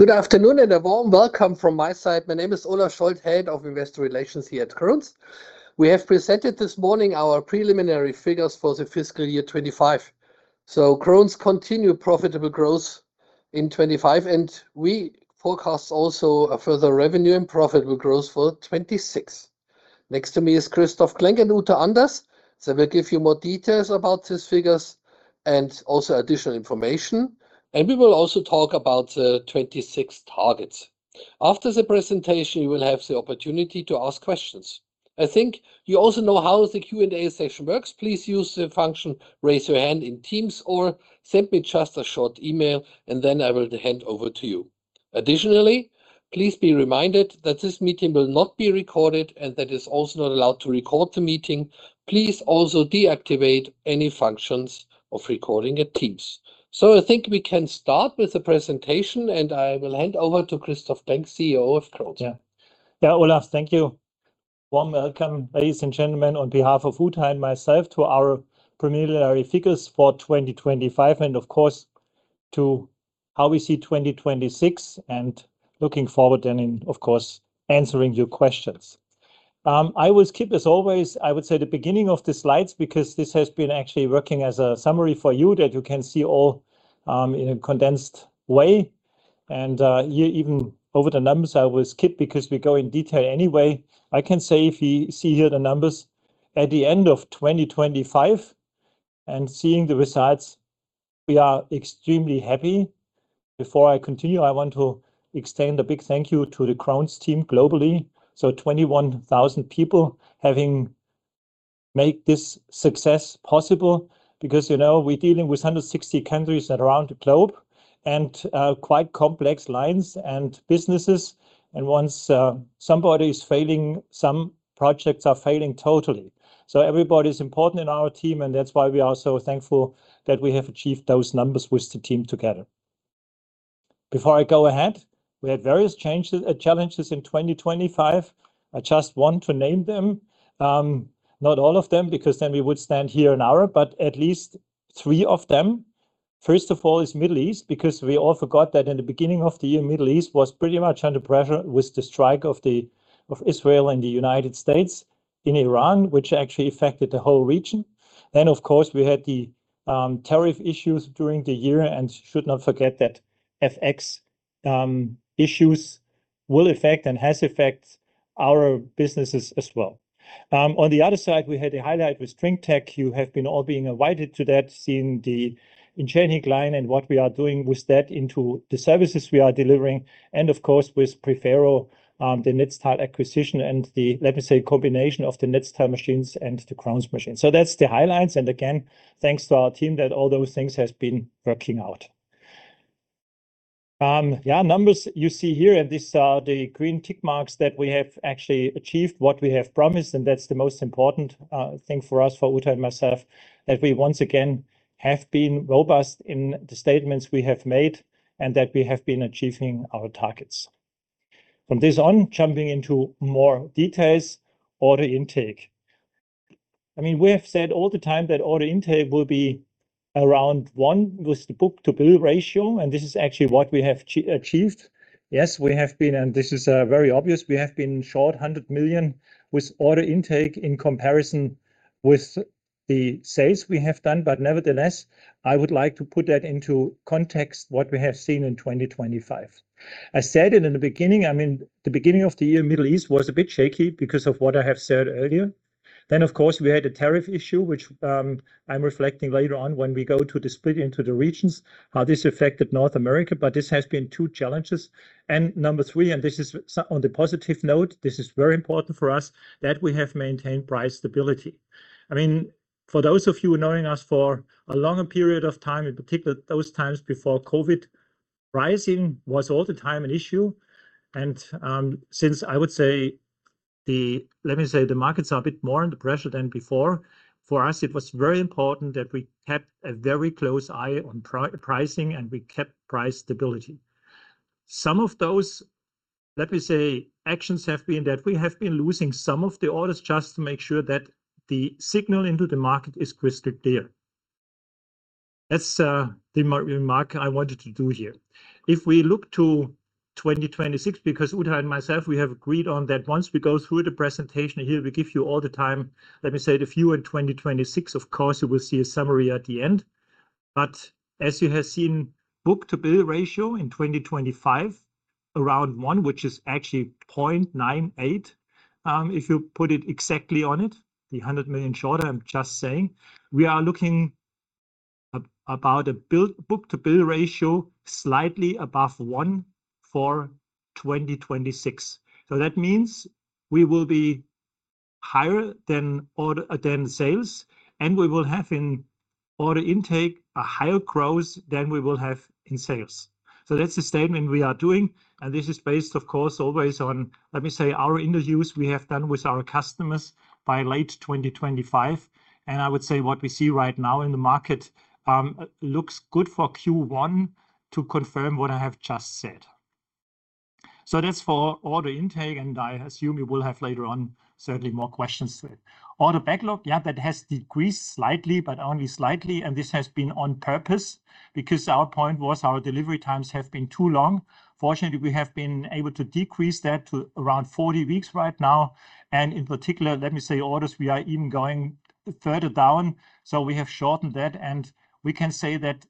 Good afternoon, and a warm welcome from my side. My name is Olaf Scholz, Head of Investor Relations here at Krones. We have presented this morning our preliminary figures for the fiscal year 2025. So Krones continued profitable growth in 2025, and we forecast also a further revenue and profit will growth for 2026. Next to me is Christoph Klenk and Uta Anders. They will give you more details about these figures and also additional information. And we will also talk about the 2026 targets. After the presentation, you will have the opportunity to ask questions. I think you also know how the Q&A session works. Please use the function, raise your hand, in Teams or send me just a short email, and then I will hand over to you. Additionally, please be reminded that this meeting will not be recorded, and that it's also not allowed to record the meeting. Please also deactivate any functions of recording at Teams. So I think we can start with the presentation, and I will hand over to Christoph Klenk, CEO of Krones. Yeah. Yeah, Olaf, thank you. Warm welcome, ladies and gentlemen, on behalf of Uta and myself, to our preliminary figures for 2025, and of course, to how we see 2026, and looking forward, and then, of course, answering your questions. I will skip, as always, I would say, the beginning of the slides, because this has been actually working as a summary for you that you can see all in a condensed way. And here, even over the numbers, I will skip because we go in detail anyway. I can say if you see here the numbers at the end of 2025 and seeing the results, we are extremely happy. Before I continue, I want to extend a big thank you to the Krones team globally. So 21,000 people having make this success possible, because, you know, we're dealing with 160 countries around the globe and, quite complex lines and businesses. And once, somebody is failing, some projects are failing totally. So everybody is important in our team, and that's why we are so thankful that we have achieved those numbers with the team together. Before I go ahead, we had various changes, challenges in 2025. I just want to name them, not all of them, because then we would stand here an hour, but at least three of them. First of all, is Middle East, because we all forgot that in the beginning of the year, Middle East was pretty much under pressure with the strike of Israel and the United States in Iran, which actually affected the whole region. Then, of course, we had the tariff issues during the year and should not forget that FX issues will affect and has affected our businesses as well. On the other side, we had a highlight with StringTech. You have been all being invited to that, seeing the engineering line and what we are doing with that into the services we are delivering, and of course, with Prefero, the Netstal acquisition and the, let me say, combination of the Netstal machines and the Krones machines. So that's the highlights, and again, thanks to our team that all those things has been working out. Yeah, numbers you see here, and these are the green tick marks that we have actually achieved what we have promised, and that's the most important thing for us, for Uta and myself, that we once again have been robust in the statements we have made and that we have been achieving our targets. From this on, jumping into more details, order intake. I mean, we have said all the time that order intake will be around one with the book-to-bill ratio, and this is actually what we have achieved. Yes, we have been, and this is very obvious, we have been short 100 million with order intake in comparison with the sales we have done, but nevertheless, I would like to put that into context, what we have seen in 2025. I said it in the beginning, I mean, the beginning of the year, Middle East was a bit shaky because of what I have said earlier. Then, of course, we had a tariff issue, which, I'm reflecting later on when we go to the split into the regions, how this affected North America, but this has been two challenges. And number three, and this is on the positive note, this is very important for us, that we have maintained price stability. I mean, for those of you knowing us for a longer period of time, in particular, those times before COVID, pricing was all the time an issue. And, since I would say the., let me say, the markets are a bit more under pressure than before. For us, it was very important that we kept a very close eye on pricing, and we kept price stability. Some of those, let me say, actions have been that we have been losing some of the orders just to make sure that the signal into the market is crystal clear. That's the remark I wanted to do here. If we look to 2026, because Uta and myself, we have agreed on that, once we go through the presentation here, we give you all the time. Let me say the view in 2026, of course, you will see a summary at the end. But as you have seen, book-to-bill ratio in 2025, around one, which is actually 0.98, if you put it exactly on it, the 100 million shorter, I'm just saying. We are looking about a book-to-bill ratio slightly above one for 2026. So that means we will be higher than order, than sales, and we will have in order intake, a higher growth than we will have in sales. So that's the statement we are doing, and this is based, of course, always on, let me say, our interviews we have done with our customers by late 2025. And I would say what we see right now in the market looks good for Q1 to confirm what I have just said. So that's for order intake, and I assume you will have later on certainly more questions to it. Order backlog, yeah, that has decreased slightly, but only slightly, and this has been on purpose, because our point was our delivery times have been too long. Fortunately, we have been able to decrease that to around 40 weeks right now, and in particular, let me say, orders, we are even going further down, so we have shortened that. And we can say that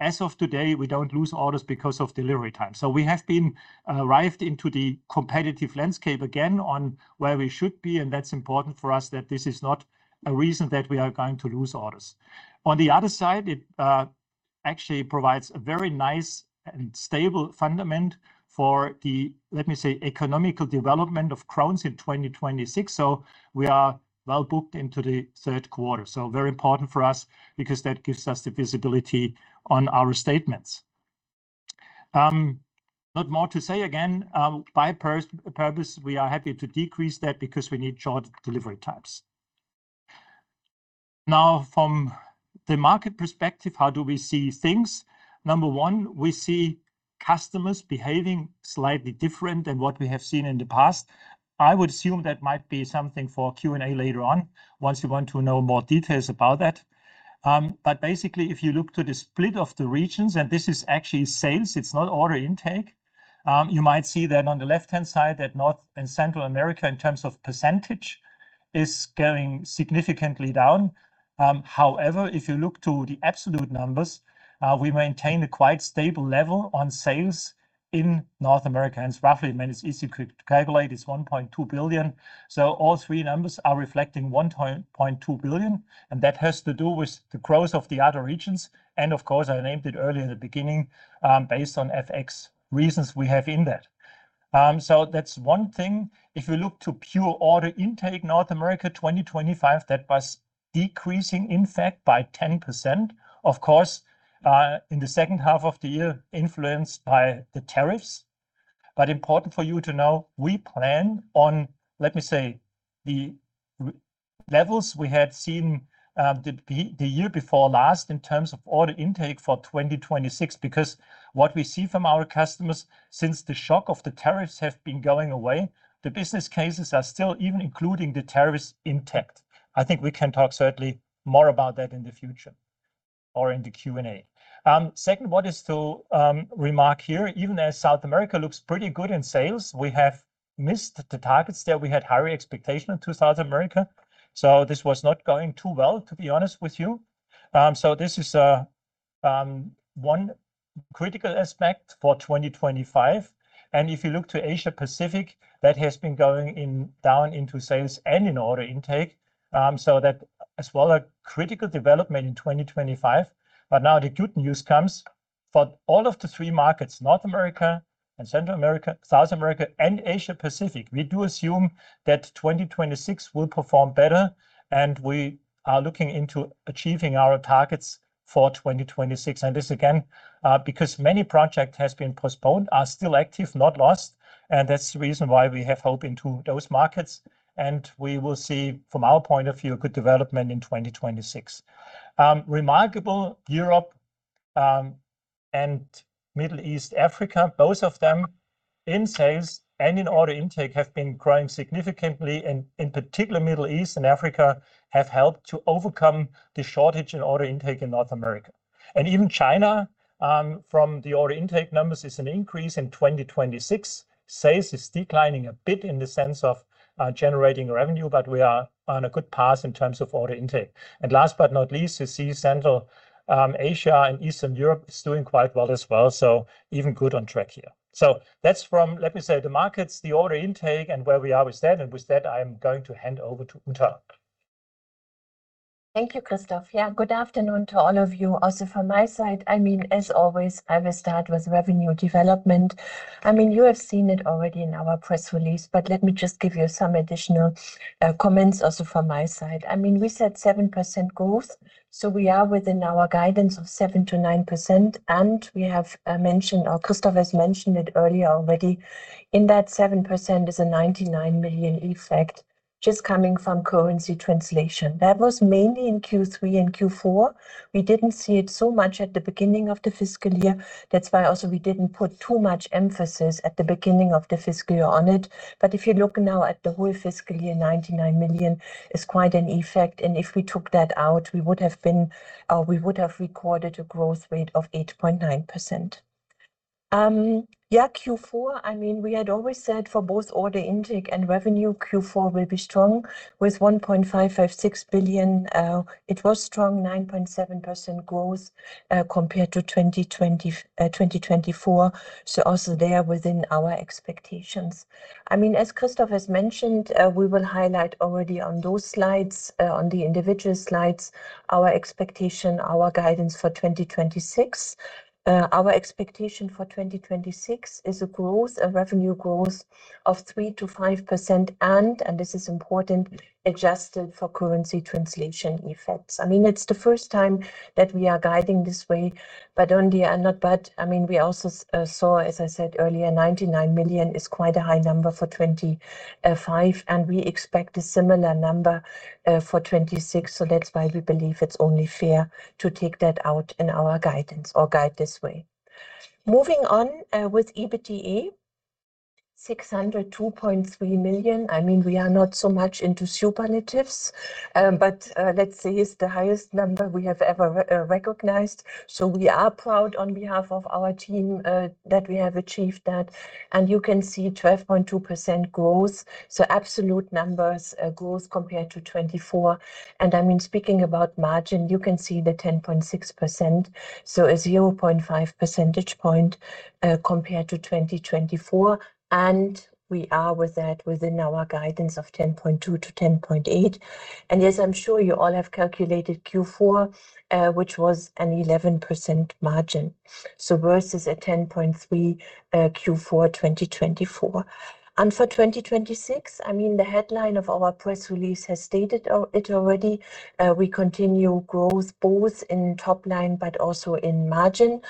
as of today, we don't lose orders because of delivery time. So we have been arrived into the competitive landscape again on where we should be, and that's important for us, that this is not a reason that we are going to lose orders. On the other side, it actually provides a very nice and stable fundament for the, let me say, economical development of Krones in 2026. So we are well booked into the Q3. So very important for us because that gives us the visibility on our statements. Not more to say again, by purpose, we are happy to decrease that because we need short delivery times. Now, from the market perspective, how do we see things? Number one, we see customers behaving slightly different than what we have seen in the past. I would assume that might be something for Q&A later on, once you want to know more details about that. But basically, if you look to the split of the regions, and this is actually sales, it's not order intake, you might see that on the left-hand side, that North and Central America, in terms of percentage, is going significantly down. However, if you look to the absolute numbers, we maintain a quite stable level on sales in North America, and it's roughly, I mean, it's easy to calculate, it's 1.2 billion. So all three numbers are reflecting 1.2 billion, and that has to do with the growth of the other regions, and of course, I named it earlier in the beginning, based on FX reasons we have in that. So that's one thing. If you look to pure order intake, North America 2025, that was decreasing, in fact, by 10%. Of course, in the H2 of the year, influenced by the tariffs. But important for you to know, we plan on, let me say, the run-rate levels we had seen, the year before last in terms of order intake for 2026. Because what we see from our customers, since the shock of the tariffs have been going away, the business cases are still even including the tariffs intact. I think we can talk certainly more about that in the future or in the Q&A. Second, what is to remark here, even as South America looks pretty good in sales, we have missed the targets there. We had higher expectation in to South America, so this was not going too well, to be honest with you. So this is one critical aspect for 2025, and if you look to Asia Pacific, that has been going in, down into sales and in order intake, so that as well, a critical development in 2025. But now the good news comes: for all of the three markets, North America and Central America, South America, and Asia Pacific, we do assume that 2026 will perform better, and we are looking into achieving our targets for 2026. This, again, because many project has been postponed, are still active, not lost, and that's the reason why we have hope into those markets, and we will see, from our point of view, a good development in 2026. Remarkably, Europe and Middle East, Africa, both of them, in sales and in order intake, have been growing significantly, and in particular, Middle East and Africa have helped to overcome the shortage in order intake in North America. Even China, from the order intake numbers, is an increase in 2026. Sales is declining a bit in the sense of generating revenue, but we are on a good path in terms of order intake. Last but not least, you see Central Asia and Eastern Europe is doing quite well as well, so even good on track here. That's from, let me say, the markets, the order intake, and where we are with that, and with that, I am going to hand over to Uta. Thank you, Christoph. Yeah, good afternoon to all of you. Also, from my side, I mean, as always, I will start with revenue development. I mean, you have seen it already in our press release, but let me just give you some additional comments also from my side. I mean, we said 7% growth, so we are within our guidance of 7%-9%, and we have mentioned, or Christoph has mentioned it earlier already, in that 7% is a 99 million effect just coming from currency translation. That was mainly in Q3 and Q4. We didn't see it so much at the beginning of the fiscal year. That's why also we didn't put too much emphasis at the beginning of the fiscal year on it. But if you look now at the whole fiscal year, 99 million is quite an effect, and if we took that out, we would have been. We would have recorded a growth rate of 8.9%. Yeah, Q4, I mean, we had always said for both order intake and revenue, Q4 will be strong. With 1.556 billion, it was strong, 9.7% growth, compared to 2024, so also there within our expectations. I mean, as Christoph has mentioned, we will highlight already on those slides, on the individual slides, our expectation, our guidance for 2026. Our expectation for 2026 is a growth, a revenue growth of 3%-5%, and, and this is important, adjusted for currency translation effects. I mean, it's the first time that we are guiding this way, but only and not but. I mean, we also saw, as I said earlier, 99 million is quite a high number for 2025, and we expect a similar number for 2026. So that's why we believe it's only fair to take that out in our guidance or guide this way. Moving on with EBITDA: 602.3 million. I mean, we are not so much into superlatives, but let's say it's the highest number we have ever recognized. So we are proud on behalf of our team that we have achieved that. And you can see 12.2% growth, so absolute numbers growth compared to 2024. I mean, speaking about margin, you can see the 10.6%, so a 0.5 percentage point compared to 2024, and we are with that within our guidance of 10.2%-10.8%. As I'm sure you all have calculated, Q4, which was an 11% margin, so versus a 10.3, Q4 2024. For 2026, I mean, the headline of our press release has stated it already. We continue growth both in top line, but also in margin.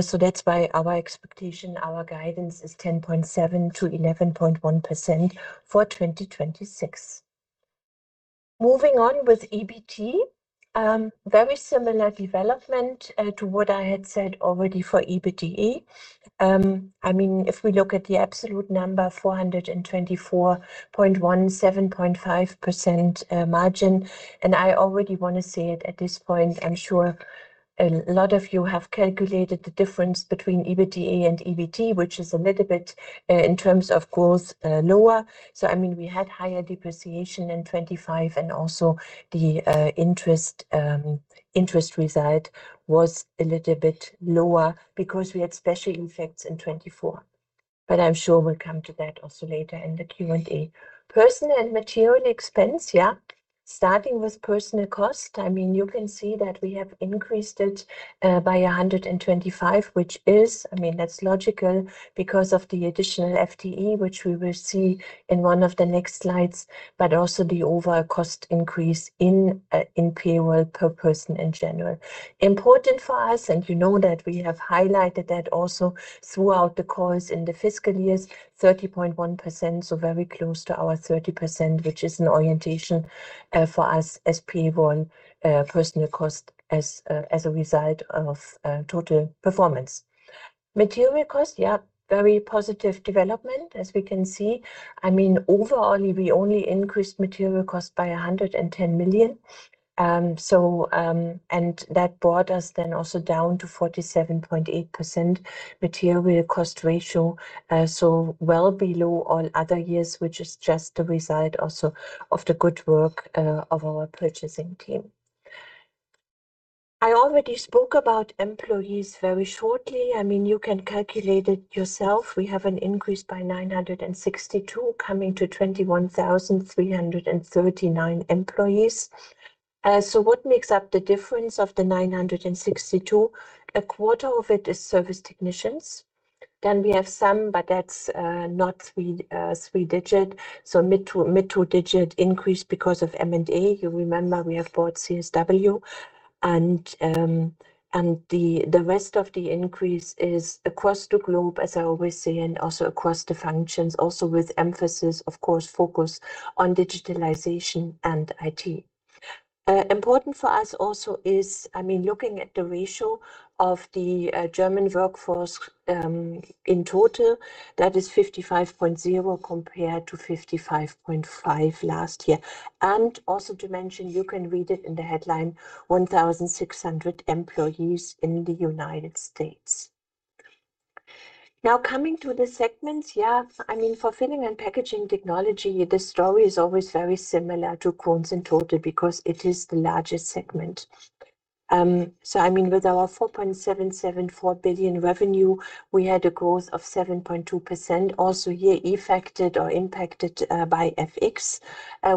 So that's why our expectation, our guidance is 10.7%-11.1% for 2026. Moving on with EBT, very similar development to what I had said already for EBITDA. I mean, if we look at the absolute number, 424.1 million, 7.5% margin, and I already want to say it at this point, I'm sure a lot of you have calculated the difference between EBITDA and EBT, which is a little bit in terms of growth lower. So, I mean, we had higher depreciation in 2025, and also the interest result was a little bit lower because we had special effects in 2024. But I'm sure we'll come to that also later in the Q&A. Personnel and material expense. Yeah. Starting with personnel cost, I mean, you can see that we have increased it by 125 million, which is. I mean, that's logical because of the additional FTE, which we will see in one of the next slides, but also the overall cost increase in payroll per person in general. Important for us, and you know that we have highlighted that also throughout the course in the fiscal years, 30.1%, so very close to our 30%, which is an orientation for us as P1, personal cost, as a result of total performance. Material cost, yeah, very positive development, as we can see. I mean, overall, we only increased material cost by 110 million. So, and that brought us then also down to 47.8% material cost ratio. So well below all other years, which is just a result also of the good work of our purchasing team. I already spoke about employees very shortly. I mean, you can calculate it yourself. We have an increase by 962, coming to 21,339 employees. So what makes up the difference of the 962? A quarter of it is service technicians. Then we have some, but that's not three-digit, so mid- to mid two-digit increase because of M&A. You remember, we have bought CSW, and the rest of the increase is across the globe, as I always say, and also across the functions, also with emphasis, of course, focus on digitalization and IT. Important for us also is, I mean, looking at the ratio of the German workforce, in total, that is 55.0 compared to 55.5 last year. Also to mention, you can read it in the headline, 1,600 employees in the United States. Now, coming to the segments, yeah, I mean, for Filling and Packaging Technology, the story is always very similar to Krones in total because it is the largest segment. So I mean, with our 4.774 billion revenue, we had a growth of 7.2%. Also, here, affected or impacted by FX.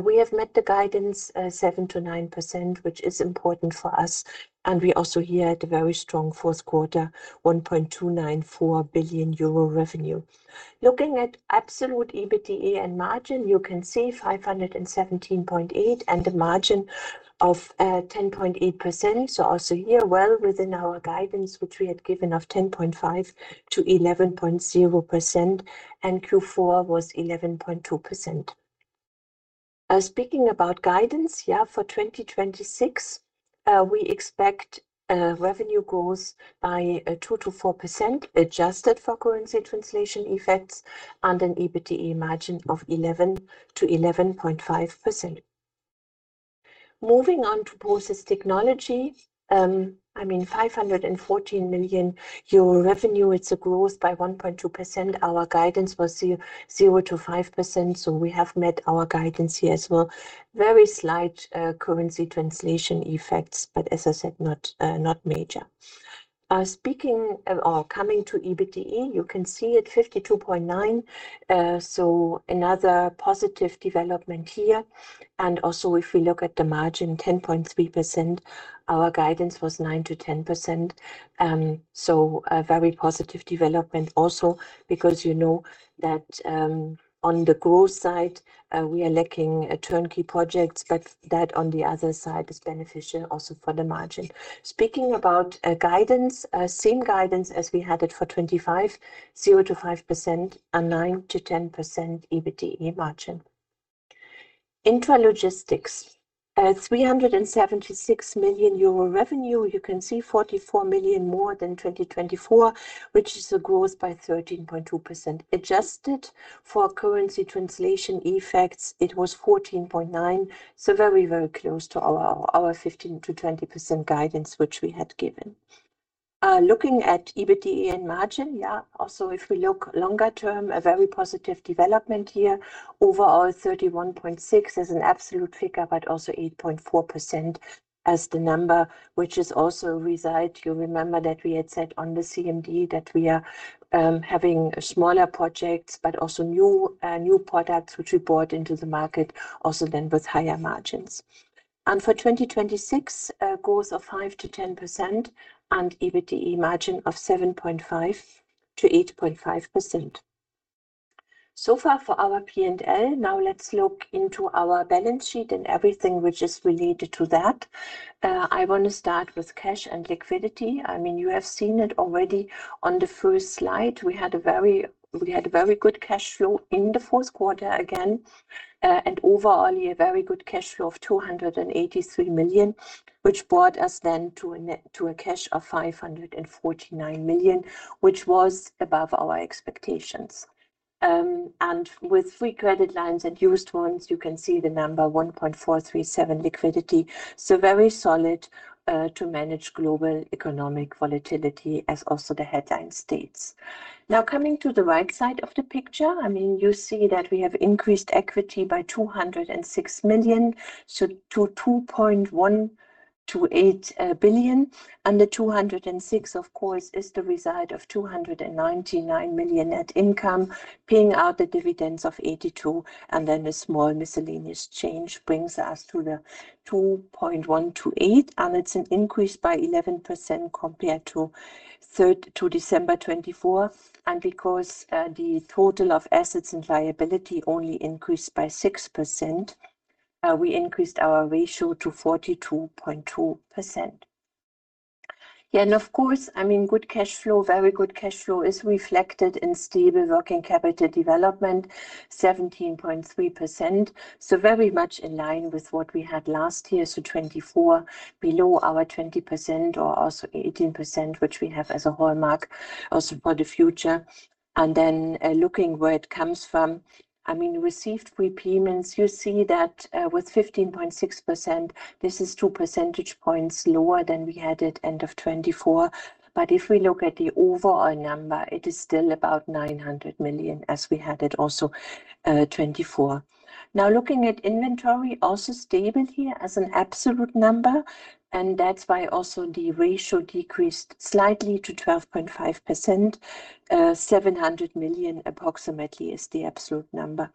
We have met the guidance 7%-9%, which is important for us, and we also here had a very strong Q4, 1.294 billion euro revenue. Looking at absolute EBITDA and margin, you can see 517.8 and a margin of 10.8%. So also here, well within our guidance, which we had given of 10.5%-11.0%, and Q4 was 11.2%. Speaking about guidance, yeah, for 2026, we expect revenue growth by 2%-4%, adjusted for currency translation effects and an EBITDA margin of 11%-11.5%. Moving on to Process Technology, I mean, 514 million euro revenue, it's a growth by 1.2%. Our guidance was 0.0%-5%, so we have met our guidance here as well. Very slight currency translation effects, but as I said, not major. Speaking or coming to EBITDA, you can see it, 52.9. So another positive development here, and also, if we look at the margin, 10.3%, our guidance was 9%-10%. So a very positive development also because you know that, on the growth side, we are lacking a turnkey project, but that, on the other side, is beneficial also for the margin. Speaking about, guidance, same guidance as we had it for 2025, 0%-5% and 9%-10% EBITDA margin. Intralogistics, 376 million euro revenue. You can see 44 million more than 2024, which is a growth by 13.2%. Adjusted for currency translation effects, it was 14.9, so very, very close to our, our 15%-20% guidance, which we had given. Looking at EBITDA and margin, yeah, also, if we look longer term, a very positive development here. Overall, 31.6 is an absolute figure, but also 8.4% as the number, which is also solid. You remember that we had said on the CMD that we are having smaller projects, but also new products, which we brought into the market also then with higher margins. And for 2026, a growth of 5%-10% and EBITDA margin of 7.5%-8.5%. So far for our P&L. Now let's look into our balance sheet and everything which is related to that. I want to start with cash and liquidity. I mean, you have seen it already on the first slide. We had a very good cash flow in the Q4 again, and overall, a very good cash flow of 283 million, which brought us then to a cash of 549 million, which was above our expectations. And with free credit lines and used ones, you can see the number 1.437 liquidity, so very solid, to manage global economic volatility, as also the headline states. Now, coming to the right side of the picture, I mean, you see that we have increased equity by 206 million, so to 2.18 billion. The 206, of course, is the result of 299 million net income, paying out the dividends of 82 million, and then a small miscellaneous change brings us to the 212.8, and it's an increase by 11% compared to December 2024. Because the total of assets and liability only increased by 6%, we increased our ratio to 42.2%. Yeah, and of course, I mean, good cash flow, very good cash flow is reflected in stable working capital development, 17.3%. So very much in line with what we had last year, so 2024, below our 20% or also 18%, which we have as a hallmark also for the future. Then, looking where it comes from, I mean, received repayments, you see that with 15.6%, this is two percentage points lower than we had at end of 2024. But if we look at the overall number, it is still about 900 million, as we had it also, 2024. Now, looking at inventory, also stable here as an absolute number, and that's why also the ratio decreased slightly to 12.5%. 700 million approximately is the absolute number.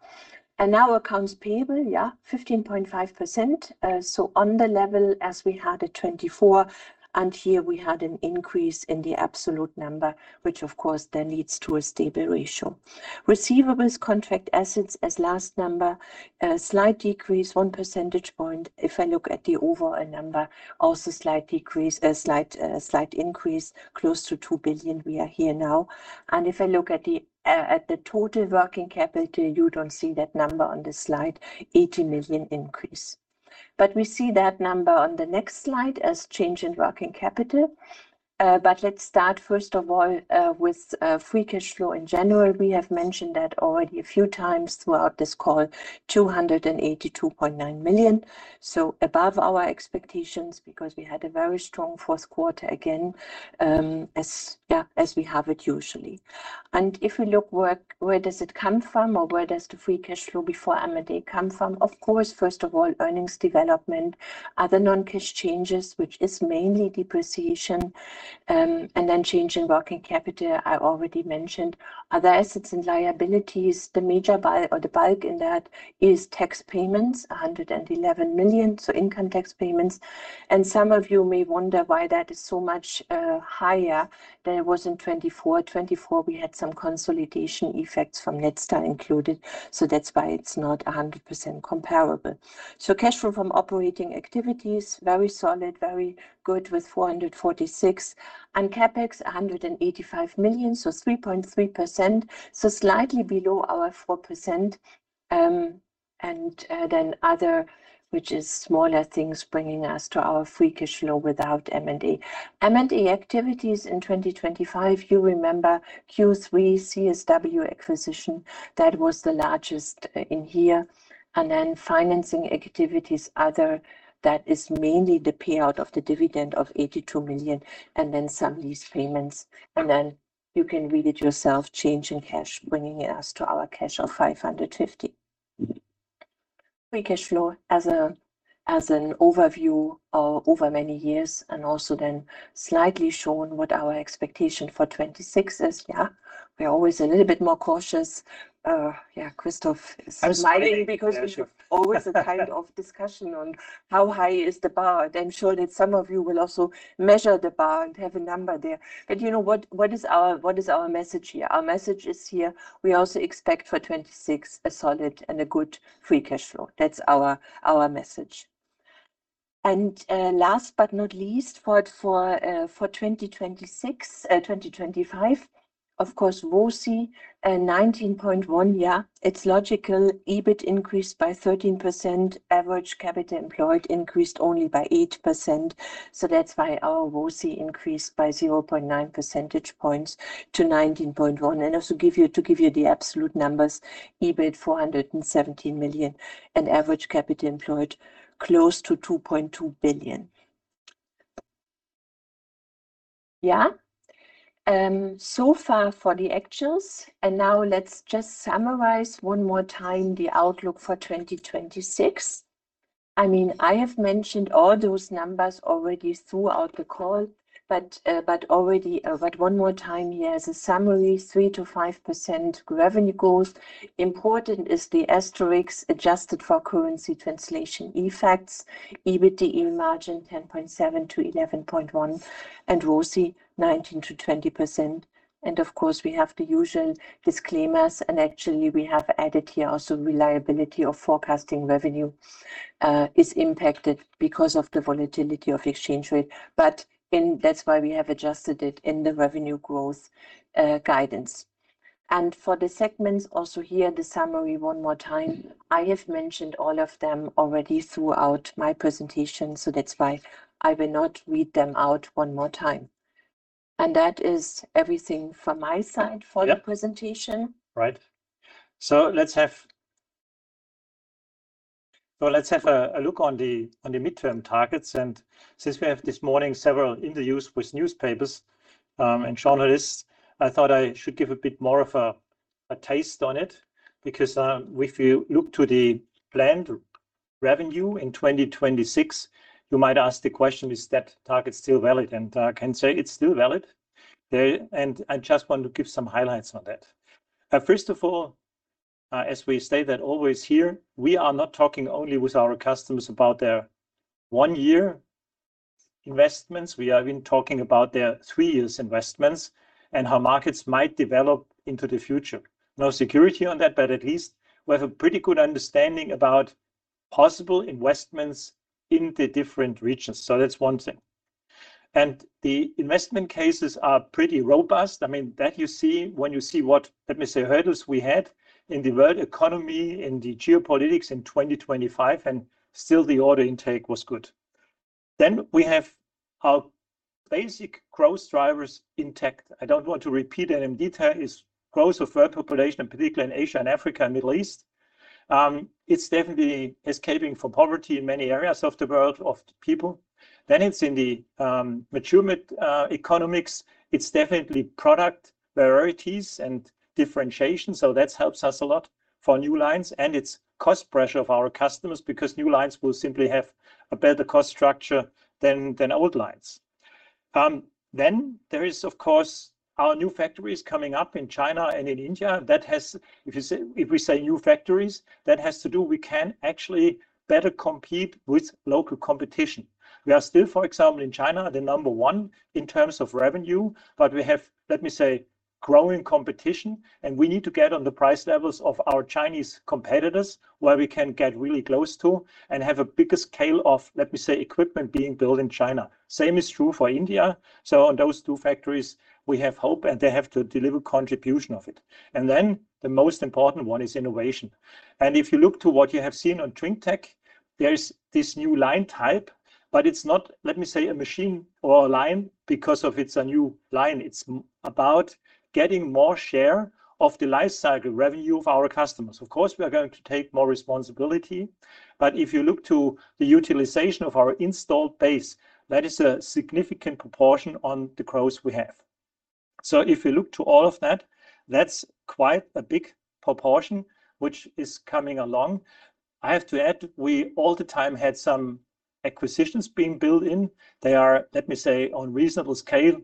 And now accounts payable, 15.5%. So on the level as we had at 2024, and here we had an increase in the absolute number, which of course then leads to a stable ratio. Receivables, contract assets as last number, a slight decrease, one percentage point. If I look at the overall number, also slight decrease, slight increase, close to 2 billion we are here now. And if I look at the total working capital, you don't see that number on this slide, 80 million increase. But we see that number on the next slide as change in working capital. But let's start, first of all, with free cash flow. In general, we have mentioned that already a few times throughout this call, 282.9 million. So above our expectations, because we had a very strong Q4 again, as we have it usually. And if we look where does it come from, or where does the free cash flow before M&A come from? Of course, first of all, earnings development. Other non-cash changes, which is mainly depreciation, and then change in working capital, I already mentioned. Other assets and liabilities, the major part or the bulk in that is tax payments, 111 million, so income tax payments. Some of you may wonder why that is so much higher than it was in 2024. 2024, we had some consolidation effects from Netstal included, so that's why it's not a hundred percent comparable. Cash flow from operating activities, very solid, very good, with 446 million, and CapEx, 185 million, so 3.3%, so slightly below our 4%. Then other, which is smaller things, bringing us to our free cash flow without M&A. M&A activities in 2025, you remember Q3, CSW acquisition, that was the largest in here. Then financing activities, other, that is mainly the payout of the dividend of 82 million, and then some lease payments. And then you can read it yourself, change in cash, bringing us to our cash of 550 million. Free cash flow as a, as an overview, over many years, and also then slightly shown what our expectation for 2026 is. Yeah, we are always a little bit more cautious. Yeah, Christoph is smiling. I was smiling. Because we have always a kind of discussion on how high is the bar. I'm sure that some of you will also measure the bar and have a number there. But you know, what, what is our, what is our message here? Our message is here, we also expect for 2026 a solid and a good free cash flow. That's our, our message. And, last but not least, for 2026, 2025, of course, ROCE 19.1. Yeah, it's logical. EBIT increased by 13%, average capital employed increased only by 8%, so that's why our ROCE increased by 0.9 percentage points to 19.1. And also give you, to give you the absolute numbers, EBIT 417 million, and average capital employed, close to 2.2 billion. Yeah. So far for the actuals, and now let's just summarize one more time the outlook for 2026. I mean, I have mentioned all those numbers already throughout the call, but already, but one more time here as a summary, 3%-5% revenue growth. Important is the asterisks adjusted for currency translation effects. EBITDA margin, 10.7%-11.1%, and ROCE, 19%-20%. And of course, we have the usual disclaimers, and actually we have added here also reliability of forecasting revenue is impacted because of the volatility of exchange rate. But that's why we have adjusted it in the revenue growth guidance. And for the segments, also here, the summary one more time. I have mentioned all of them already throughout my presentation, so that's why I will not read them out one more time. That is everything from my side. Yep. For the presentation. Right. So let's have a look on the midterm targets. And since we have this morning several interviews with newspapers, and journalists, I thought I should give a bit more of a taste on it, because, if you look to the planned revenue in 2026, you might ask the question: Is that target still valid? And I can say it's still valid. And I just want to give some highlights on that. First of all, as we state that always here, we are not talking only with our customers about their one-year investments. We have been talking about their three years investments and how markets might develop into the future. No security on that, but at least we have a pretty good understanding about possible investments in the different regions. So that's one thing. The investment cases are pretty robust. I mean, that you see when you see what, let me say, hurdles we had in the world economy, in the geopolitics in 2025, and still the order intake was good. Then we have our basic growth drivers intact. I don't want to repeat them in detail, is growth of world population, in particular in Asia and Africa and Middle East. It's definitely escaping from poverty in many areas of the world, of people. Then it's in the mature economies. It's definitely product varieties and differentiation, so that helps us a lot for new lines, and it's cost pressure of our customers because new lines will simply have a better cost structure than old lines. Then there is, of course, our new factories coming up in China and in India. That has, if you say, if we say new factories, that has to do we can actually better compete with local competition. We are still, for example, in China, the number one in terms of revenue, but we have, let me say, growing competition, and we need to get on the price levels of our Chinese competitors, where we can get really close to and have a bigger scale of, let me say, equipment being built in China. Same is true for India. So on those two factories, we have hope, and they have to deliver contribution of it. And then the most important one is innovation. If you look to what you have seen on drinktec, there is this new line type, but it's not, let me say, a machine or a line because it's a new line. It's about getting more share of the life cycle revenue of our customers. Of course, we are going to take more responsibility, but if you look to the utilization of our installed base, that is a significant proportion on the growth we have. So if you look to all of that, that's quite a big proportion which is coming along. I have to add, we all the time had some acquisitions being built in. They are, let me say, on reasonable scale,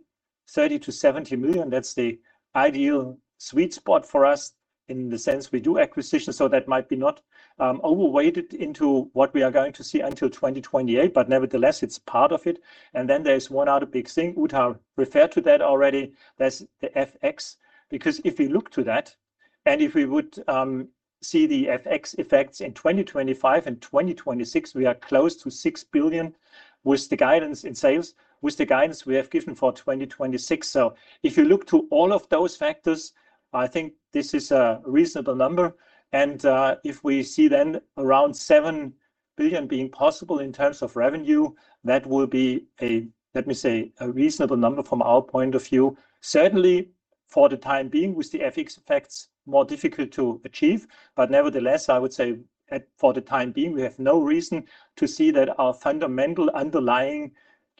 30 million-70 million. That's the ideal sweet spot for us in the sense we do acquisitions, so that might be not overweighted into what we are going to see until 2028, but nevertheless, it's part of it. And then there's one other big thing, Uta referred to that already. There's the FX, because if you look to that, and if we would see the FX effects in 2025 and 2026, we are close to 6 billion with the guidance in sales, with the guidance we have given for 2026. So if you look to all of those factors, I think this is a reasonable number, and if we see then around 7 billion being possible in terms of revenue, that will be a, let me say, a reasonable number from our point of view. Certainly, for the time being, with the FX effects, more difficult to achieve, but nevertheless, I would say for the time being, we have no reason to see that our fundamental underlying,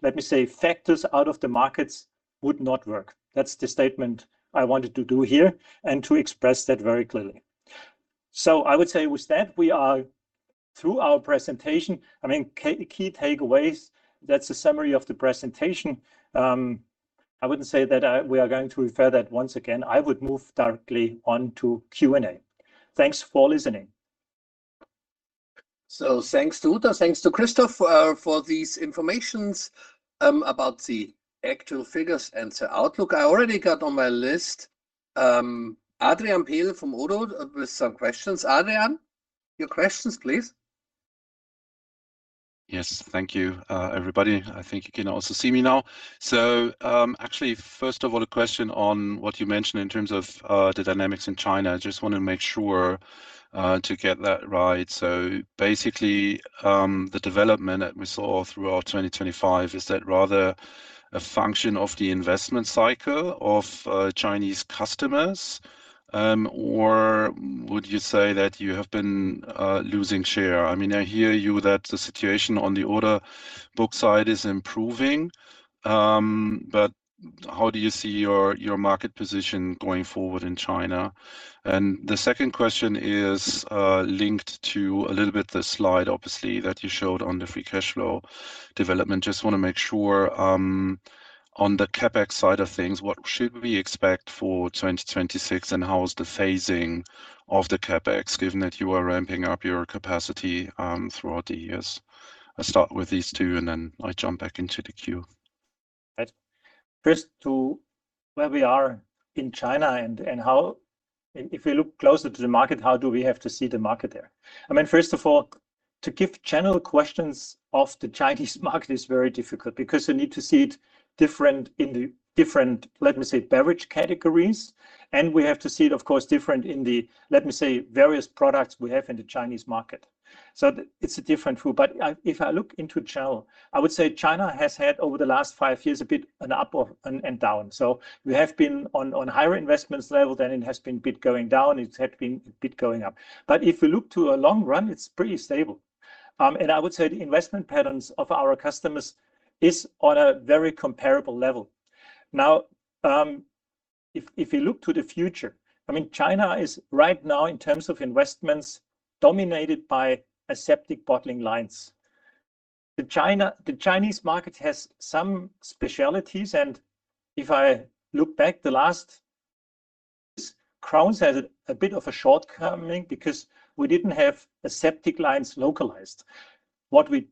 let me say, factors out of the markets would not work. That's the statement I wanted to do here and to express that very clearly. So I would say with that, we are through our presentation. I mean, key takeaways, that's a summary of the presentation. I wouldn't say that we are going to refer that once again. I would move directly on to Q&A. Thanks for listening. So thanks to Uta, thanks to Christoph, for this information about the actual figures and the outlook. I already got on my list, Adrian Pehl from ODDO with some questions. Adrian, your questions, please? Yes. Thank you, everybody. I think you can also see me now. So, actually, first of all, a question on what you mentioned in terms of the dynamics in China. I just want to make sure to get that right. So basically, the development that we saw throughout 2025, is that rather a function of the investment cycle of Chinese customers? Or would you say that you have been losing share? I mean, I hear you that the situation on the order book side is improving, but how do you see your market position going forward in China? And the second question is linked to a little bit the slide, obviously, that you showed on the free cash flow development. Just want to make sure, on the CapEx side of things, what should we expect for 2026, and how is the phasing of the CapEx, given that you are ramping up your capacity, throughout the years? I start with these two, and then I jump back into the queue. Right. First, to where we are in China and how—and if we look closer to the market, how do we have to see the market there? I mean, first of all, to give general questions of the Chinese market is very difficult because you need to see it different in the different, let me say, beverage categories, and we have to see it, of course, different in the, let me say, various products we have in the Chinese market. So it's a different view. But if I look into general, I would say China has had, over the last five years, a bit an up and down. So we have been on higher investments level, then it has been a bit going down, it had been a bit going up. But if we look to a long run, it's pretty stable. And I would say the investment patterns of our customers is on a very comparable level. Now, if you look to the future, I mean, China is right now, in terms of investments, dominated by aseptic bottling lines. The Chinese market has some specialties, and if I look back, Krones had a bit of a shortcoming because we didn't have aseptic lines localized. What we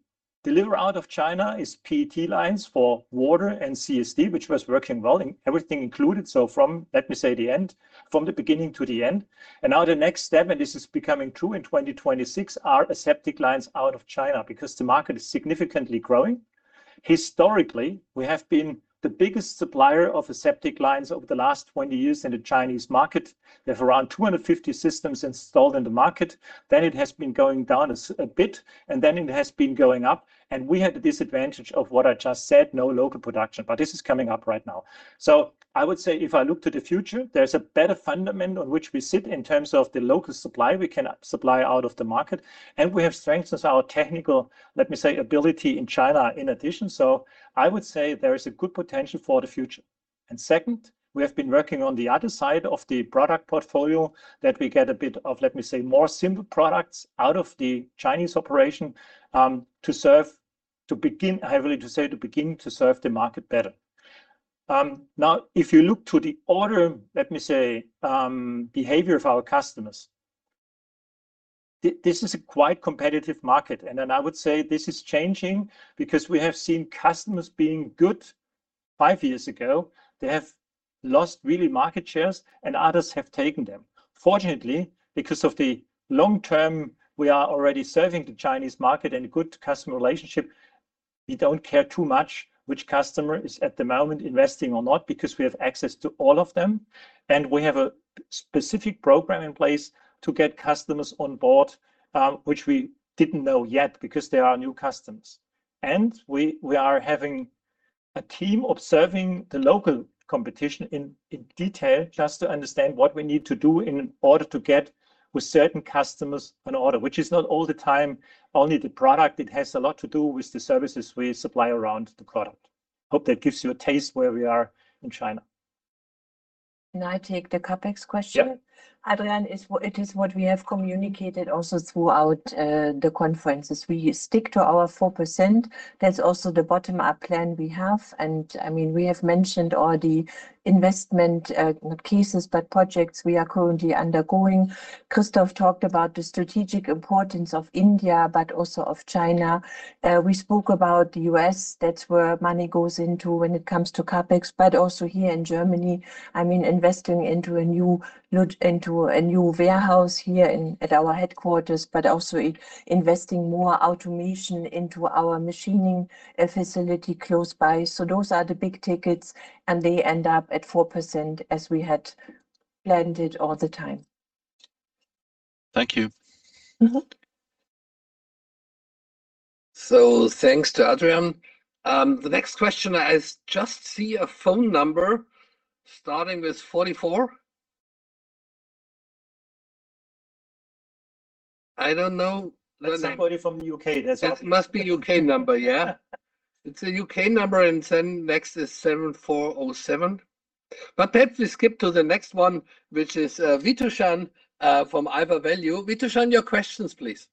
deliver out of China is PET lines for water and CSD, which was working well, and everything included, so from, let me say, from the beginning to the end. And now the next step, and this is becoming true in 2026, are aseptic lines out of China, because the market is significantly growing. Historically, we have been the biggest supplier of aseptic lines over the last 20 years in the Chinese market. We have around 250 systems installed in the market. Then it has been going down a bit, and then it has been going up, and we had the disadvantage of what I just said, no local production, but this is coming up right now. So I would say if I look to the future, there's a better foundation on which we sit in terms of the local supply. We can supply out of the market, and we have strengthened our technical, let me say, ability in China in addition. So I would say there is a good potential for the future. And second, we have been working on the other side of the product portfolio that we get a bit of, let me say, more simple products out of the Chinese operation, to serve, to begin, I really to say, to begin to serve the market better. Now, if you look to the order, let me say, behavior of our customers, this is a quite competitive market, and then I would say this is changing because we have seen customers being good five years ago. They have lost really market shares, and others have taken them. Fortunately, because of the long term, we are already serving the Chinese market and a good customer relationship. We don't care too much which customer is at the moment investing or not, because we have access to all of them, and we have a specific program in place to get customers on board, which we didn't know yet because they are new customers. We are having a team observing the local competition in detail just to understand what we need to do in order to get with certain customers an order, which is not all the time only the product. It has a lot to do with the services we supply around the product. Hope that gives you a taste where we are in China. Can I take the CapEx question? Yep. Adrian, it is what we have communicated also throughout the conferences. We stick to our 4%. That's also the bottom-up plan we have, and, I mean, we have mentioned all the investment, not cases, but projects we are currently undergoing. Christoph talked about the strategic importance of India, but also of China. We spoke about the U.S. That's where money goes into when it comes to CapEx, but also here in Germany, I mean, investing into a new warehouse here in, at our headquarters, but also investing more automation into our machining facility close by. So those are the big tickets, and they end up at 4%, as we had planned it all the time. Thank you. Mm-hmm. Thanks to Adrian. The next question, I just see a phone number starting with 44. I don't know the name. Somebody from the UK, that's all. It must be UK number, yeah? It's a UK number, and then next is 7407. But perhaps we skip to the next one, which is Vithushan from IV Value. Vithushan, your questions, please.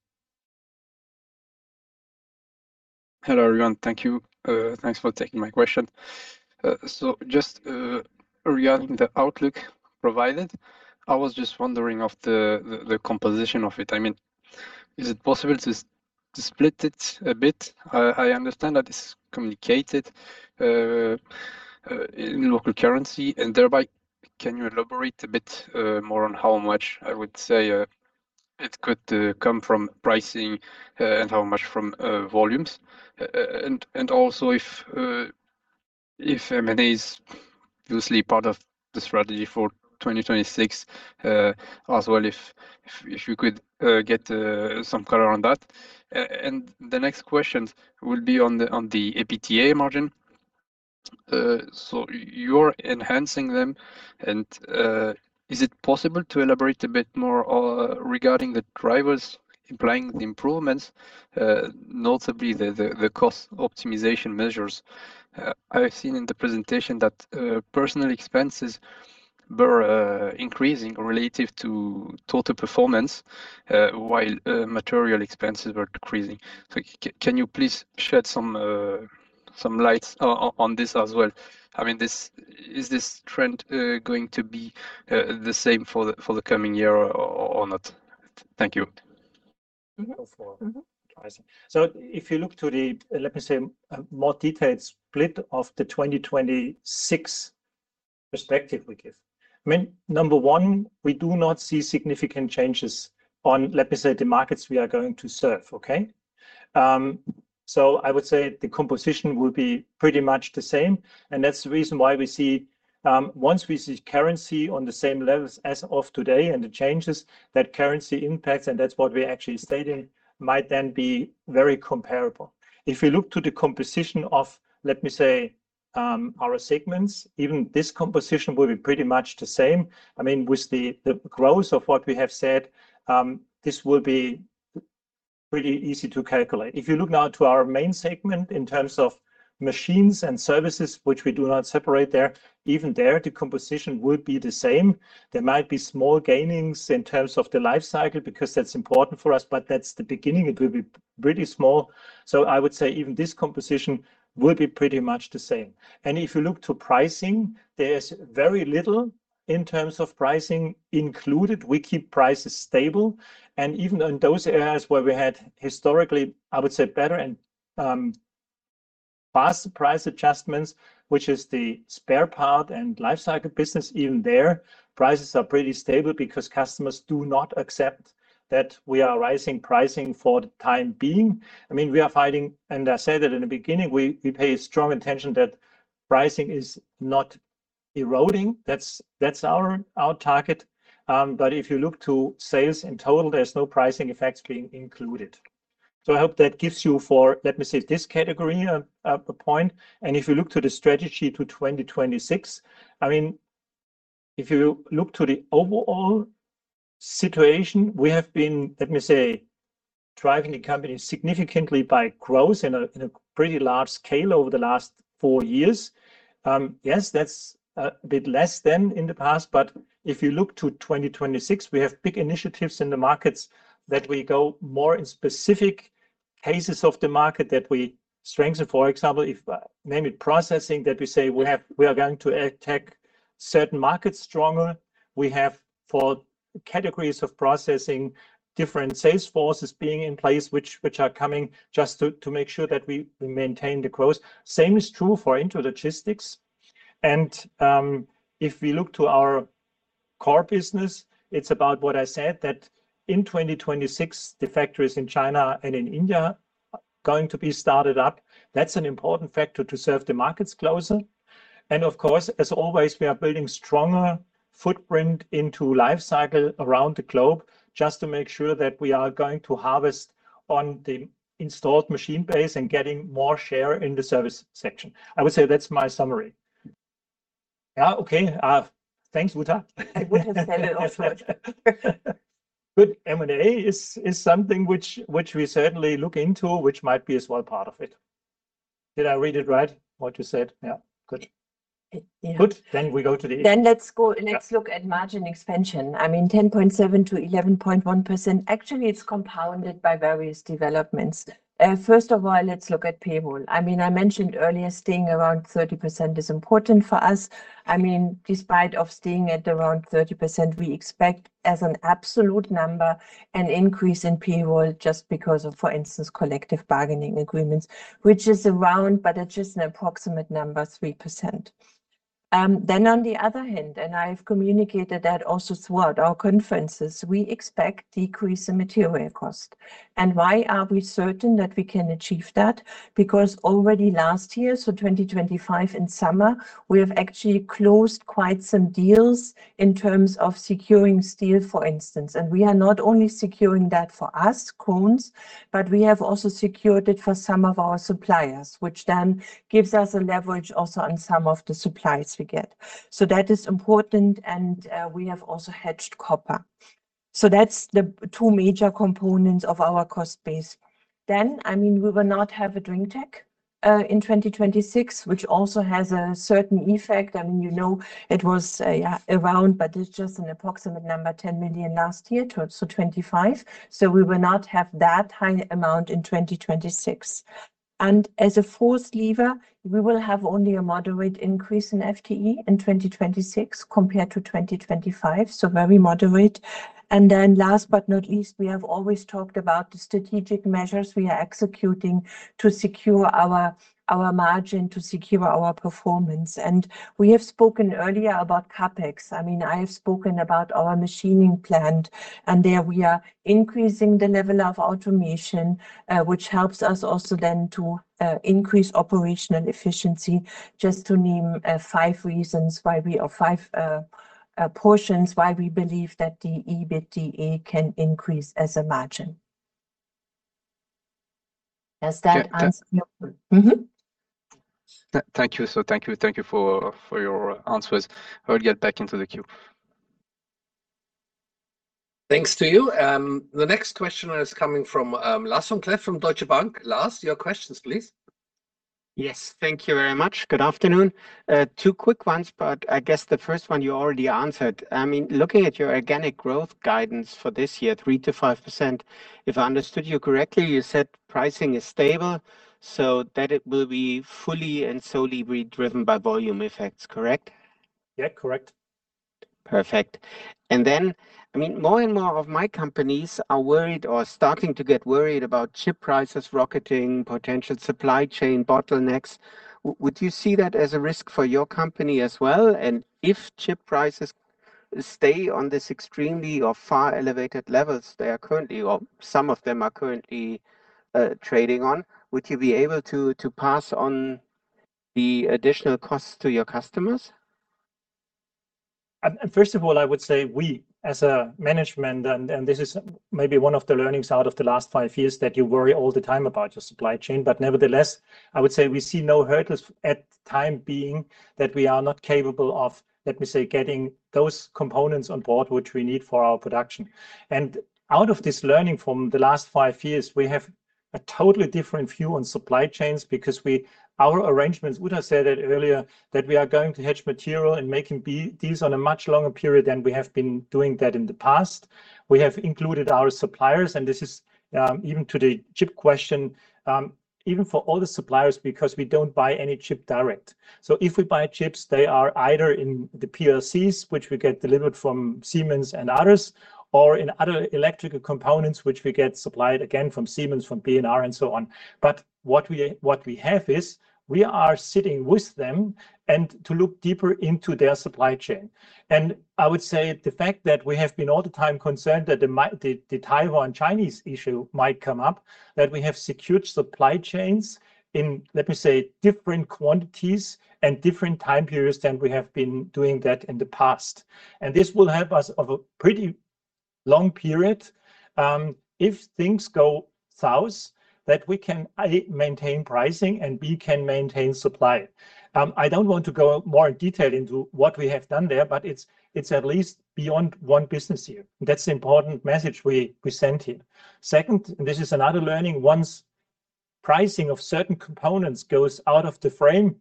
Hello, everyone. Thank you. Thanks for taking my question. So just regarding the outlook provided, I was just wondering of the composition of it. I mean, is it possible to split it a bit? I understand that it's communicated in local currency, and thereby can you elaborate a bit more on how much, I would say, it could come from pricing and how much from volumes? And also, if M&A is loosely part of the strategy for 2026 as well, if you could get some color on that. And the next question will be on the EBITDA margin. So you're enhancing them, and is it possible to elaborate a bit more regarding the drivers implying the improvements, notably the cost optimization measures? I've seen in the presentation that personal expenses were increasing relative to total performance while material expenses were decreasing. So can you please shed some lights on this as well? I mean, is this trend going to be for the coming year or not? Thank you. Mm-hmm. Mm-hmm. So if you look to the, let me say, more detailed split of the 2026 perspective we give. I mean, number one, we do not see significant changes on, let me say, the markets we are going to serve, okay? So I would say the composition will be pretty much the same, and that's the reason why we see, once we see currency on the same levels as of today, and the changes that currency impacts, and that's what we actually stated, might then be very comparable. If you look to the composition of, let me say, our segments, even this composition will be pretty much the same. I mean, with the growth of what we have said, this will be pretty easy to calculate. If you look now to our main segment in terms of machines and services, which we do not separate there, even there, the composition would be the same. There might be small gains in terms of the life cycle, because that's important for us, but that's the beginning. It will be pretty small. So I would say even this composition will be pretty much the same. And if you look to pricing, there is very little in terms of pricing included. We keep prices stable, and even in those areas where we had historically, I would say, better and, fast price adjustments, which is the spare part and life cycle business, even there, prices are pretty stable because customers do not accept that we are raising pricing for the time being. I mean, we are fighting, and I said that in the beginning, we pay strong attention that pricing is not eroding. That's our target. But if you look to sales in total, there's no pricing effects being included. So I hope that gives you for, let me say, this category, a point. And if you look to the strategy to 2026, I mean, if you look to the overall situation, we have been, let me say, driving the company significantly by growth in a pretty large scale over the last four years. Yes, that's a bit less than in the past, but if you look to 2026, we have big initiatives in the markets that we go more in specific cases of the market that we strengthen. For example, if name it, processing, that we say we have, we are going to attack certain markets stronger. We have four categories of processing, different sales forces being in place, which are coming just to make sure that we maintain the growth. Same is true for Intralogistics. And if we look to our core business, it's about what I said, that in 2026, the factories in China and in India are going to be started up. That's an important factor to serve the markets closer. And of course, as always, we are building stronger footprint into life cycle around the globe just to make sure that we are going to harvest on the installed machine base and getting more share in the service section. I would say that's my summary. Yeah, okay. Thanks, Uta. I would have said it also. Good. M&A is something which we certainly look into, which might be as well part of it. Did I read it right, what you said? Yeah. Good. Yeah. Good. Then we go to the. Let's go. Yeah. Let's look at margin expansion. I mean, 10.7%-11.1%, actually, it's compounded by various developments. First of all, let's look at payroll. I mean, I mentioned earlier, staying around 30% is important for us. I mean, despite of staying at around 30%, we expect as an absolute number, an increase in payroll just because of, for instance, collective bargaining agreements, which is around, but it's just an approximate number, 3%. Then on the other hand, and I've communicated that also throughout our conferences, we expect decrease in material cost. And why are we certain that we can achieve that? Because already last year, so 2025 in summer, we have actually closed quite some deals in terms of securing steel, for instance. We are not only securing that for us, Krones, but we have also secured it for some of our suppliers, which then gives us a leverage also on some of the supplies we get. So that is important, and we have also hedged copper. So that's the two major components of our cost base. Then, I mean, we will not have a drinktec in 2026, which also has a certain effect. I mean, you know, it was around, but it's just an approximate number, 10 million last year, so 2025. So we will not have that high amount in 2026. And as a fourth lever, we will have only a moderate increase in FTE in 2026 compared to 2025, so very moderate. Last but not least, we have always talked about the strategic measures we are executing to secure our, our margin, to secure our performance. We have spoken earlier about CapEx. I mean, I have spoken about our machining plant, and there we are increasing the level of automation, which helps us also then to increase operational efficiency, just to name five reasons why we or five portions why we believe that the EBITDA can increase as a margin. Does that answer your question? Mm-hmm. Thank you. Thank you, thank you for, for your answers. I'll get back into the queue. Thanks to you. The next question is coming from Lars vom Cleff from Deutsche Bank. Lars, your questions, please. Yes, thank you very much. Good afternoon. Two quick ones, but I guess the first one you already answered. I mean, looking at your organic growth guidance for this year, 3%-5%, if I understood you correctly, you said pricing is stable, so that it will be fully and solely be driven by volume effects, correct? Yeah. Correct. Perfect. And then, I mean, more and more of my companies are worried or starting to get worried about chip prices rocketing, potential supply chain bottlenecks. Would you see that as a risk for your company as well? And if chip prices stay on this extremely or far elevated levels they are currently, or some of them are currently, trading on, would you be able to pass on the additional costs to your customers? First of all, I would say we, as a management, and this is maybe one of the learnings out of the last five years, that you worry all the time about your supply chain. But nevertheless, I would say we see no hurdles at the time being that we are not capable of, let me say, getting those components on board, which we need for our production. And out of this learning from the last five years, we have a totally different view on supply chains because we, our arrangements, Uta said it earlier, that we are going to hedge material and making these on a much longer period than we have been doing that in the past. We have included our suppliers, and this is even to the chip question, even for all the suppliers, because we don't buy any chip direct. So if we buy chips, they are either in the PLCs, which we get delivered from Siemens and others, or in other electrical components, which we get supplied again from Siemens, from B&R, and so on. But what we have is, we are sitting with them and to look deeper into their supply chain. And I would say the fact that we have been all the time concerned that the Taiwan-Chinese issue might come up, that we have secured supply chains in, let me say, different quantities and different time periods than we have been doing that in the past. And this will help us of a pretty long period, if things go south, that we can, A, maintain pricing, and B, can maintain supply. I don't want to go more in detail into what we have done there, but it's at least beyond one business year. That's the important message we sent here. Second, this is another learning. Once pricing of certain components goes out of the frame,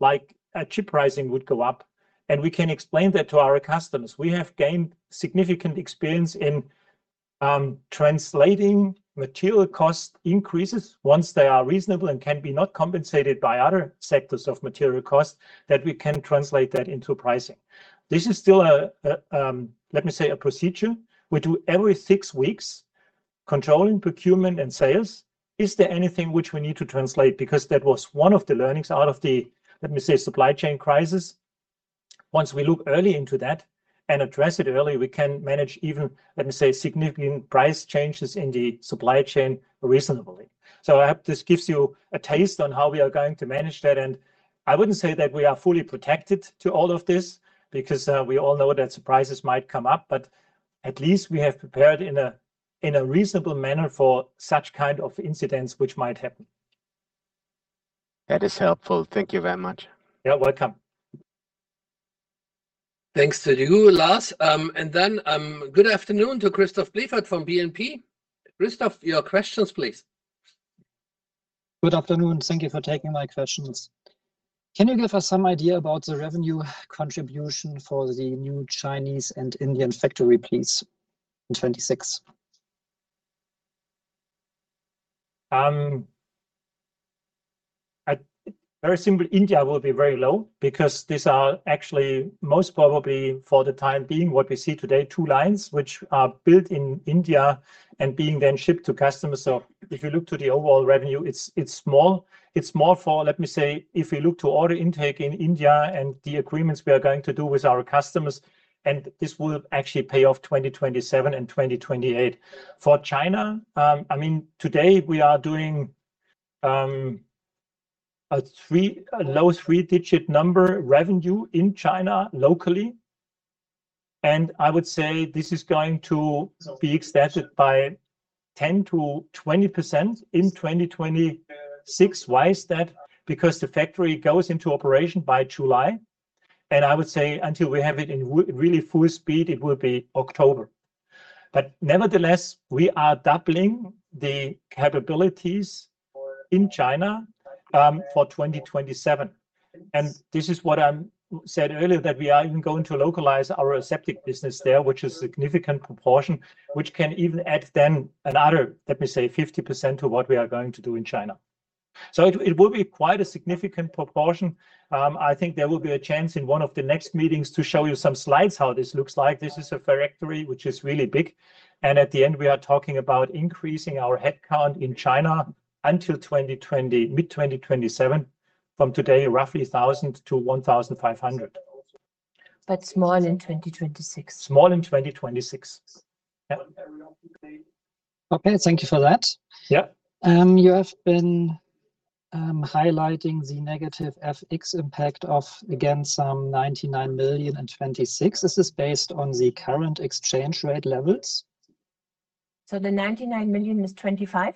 like a chip pricing would go up, and we can explain that to our customers. We have gained significant experience in translating material cost increases once they are reasonable and can be not compensated by other sectors of material cost, that we can translate that into pricing. This is still a let me say, a procedure we do every six weeks, controlling procurement and sales. Is there anything which we need to translate? Because that was one of the learnings out of the let me say, supply chain crisis. Once we look early into that and address it early, we can manage even, let me say, significant price changes in the supply chain reasonably. So I hope this gives you a taste on how we are going to manage that, and I wouldn't say that we are fully protected to all of this because, we all know that surprises might come up, but at least we have prepared in a reasonable manner for such kind of incidents which might happen. That is helpful. Thank you very much. You're welcome. Thanks to you, Lars. And then, good afternoon to Christoph Blieffert from BNP. Christoph, your questions, please. Good afternoon. Thank you for taking my questions. Can you give us some idea about the revenue contribution for the new Chinese and Indian factory, please, in 2026? A very simple, India will be very low because these are actually, most probably for the time being, what we see today, two lines which are built in India and being then shipped to customers. So if you look to the overall revenue, it's small. It's more for, let me say, if we look to order intake in India and the agreements we are going to do with our customers, and this will actually pay off 2027 and 2028. For China, I mean, today we are doing a low three-digit number revenue in China locally, and I would say this is going to be extended by 10%-20% in 2026. Why is that? Because the factory goes into operation by July, and I would say until we have it in really full speed, it will be October. Nevertheless, we are doubling the capabilities in China for 2027, and this is what I said earlier, that we are even going to localize our aseptic business there, which is a significant proportion, which can even add then another, let me say, 50% to what we are going to do in China. So it, it will be quite a significant proportion. I think there will be a chance in one of the next meetings to show you some slides, how this looks like. This is a factory which is really big, and at the end, we are talking about increasing our headcount in China until mid-2027, from today, roughly 1,000 to 1,500. But small in 2026. Small in 2026. Yeah. Okay, thank you for that. Yeah. You have been highlighting the negative FX impact of, again, 99 million in 2026. This is based on the current exchange rate levels? The 99 million is 25.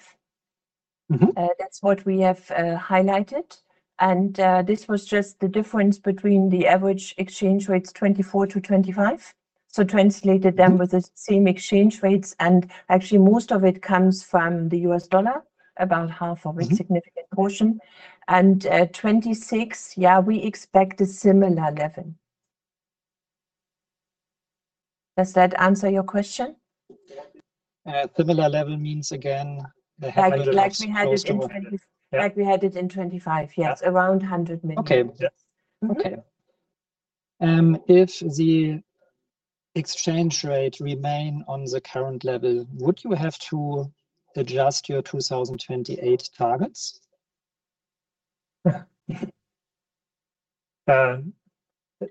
Mm-hmm. That's what we have highlighted, and this was just the difference between the average exchange rates, 2024 to 2025, so translated them with the same exchange rates, and actually, most of it comes from the U.S. dollar, about half of it. Mm-hmm Significant portion. 2026, yeah, we expect a similar level. Does that answer your question? Similar level means again, the hundred. Like we had it in 25. Yeah. Like we had it in 2025, yes. Yeah. Around 100 million. Okay. Yes. Mm-hmm. Okay. If the exchange rate remain on the current level, would you have to adjust your 2028 targets? Yeah.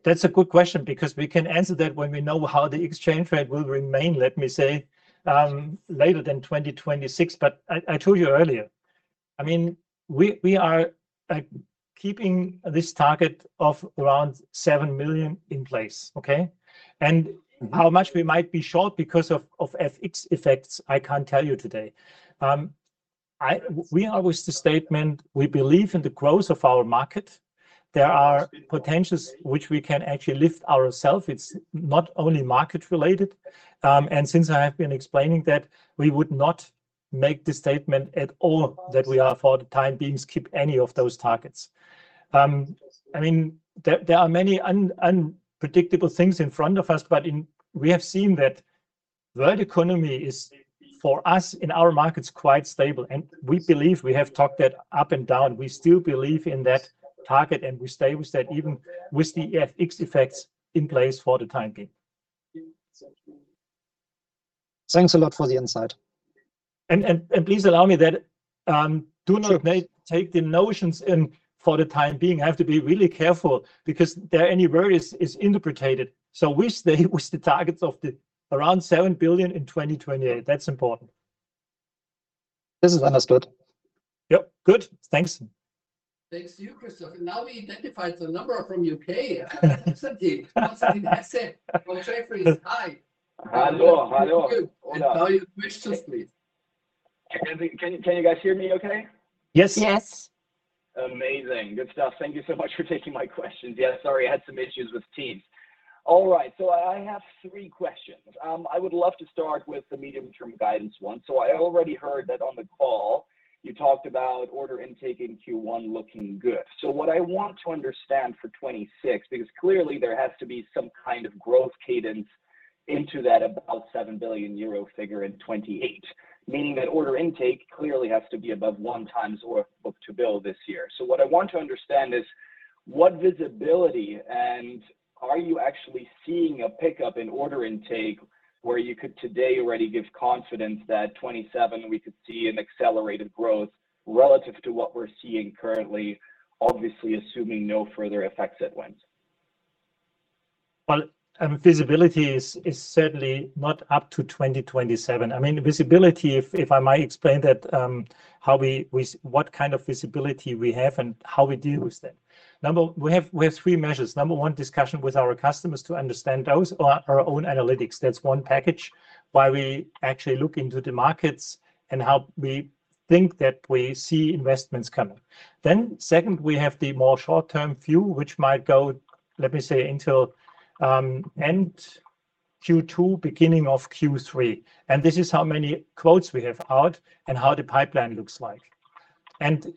That's a good question because we can answer that when we know how the exchange rate will remain, let me say, later than 2026. But I told you earlier, I mean, we are, like, keeping this target of around 7 million in place, okay? And how much we might be short because of FX effects, I can't tell you today. We always the statement, we believe in the growth of our market. There are potentials which we can actually lift ourselves. It's not only market related, and since I have been explaining that, we would not make the statement at all that we are, for the time being, skip any of those targets. I mean, there are many unpredictable things in front of us, but we have seen that world economy is, for us, in our markets, quite stable, and we believe we have talked that up and down. We still believe in that target, and we establish that even with the FX effects in place for the time being. Thanks a lot for the insight. Please allow me that, do not make. Sure Take the notions in for the time being. I have to be really careful because there are any worries is interpreted, so we stay with the targets of the around 7 billion in 2028. That's important. This is understood. Yep, good. Thanks. Thanks to you, Christoph. Now, we identified the number from UK. Somebody, somebody has it. From Jefferies. Hi. Hello, hello. Now your questions, please. Can you guys hear me okay? Yes. Yes. Amazing. Good stuff. Thank you so much for taking my questions. Yeah, sorry, I had some issues with Teams. All right, so I have three questions. I would love to start with the medium-term guidance one. So I already heard that on the call, you talked about order intake in Q1 looking good. So what I want to understand for 2026, because clearly there has to be some kind of growth cadence into that about 7 billion euro figure in 2028, meaning that order intake clearly has to be above 1x or book-to-bill this year. So what I want to understand is, what visibility, and are you actually seeing a pickup in order intake where you could today already give confidence that 2027 we could see an accelerated growth relative to what we're seeing currently, obviously, assuming no further effects at once? Well, visibility is certainly not up to 2027. I mean, the visibility, if I might explain that, what kind of visibility we have and how we deal with that. We have three measures. Number one, discussion with our customers to understand those, our own analytics. That's one package, where we actually look into the markets and how we think that we see investments coming. Then second, we have the more short-term view, which might go, let me say, until end Q2, beginning of Q3, and this is how many quotes we have out and how the pipeline looks like. And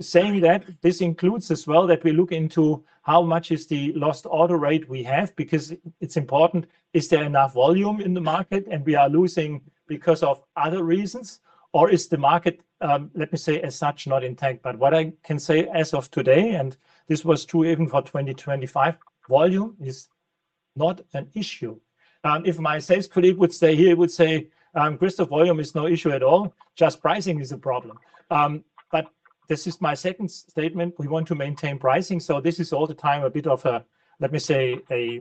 saying that, this includes as well, that we look into how much is the lost order rate we have, because it's important. Is there enough volume in the market and we are losing because of other reasons, or is the market, let me say, as such, not intact? But what I can say as of today, and this was true even for 2025, volume is not an issue. If my sales colleague would say, he would say, "Christoph, volume is no issue at all. Just pricing is a problem." But this is my second statement, we want to maintain pricing, so this is all the time a bit of a, let me say, a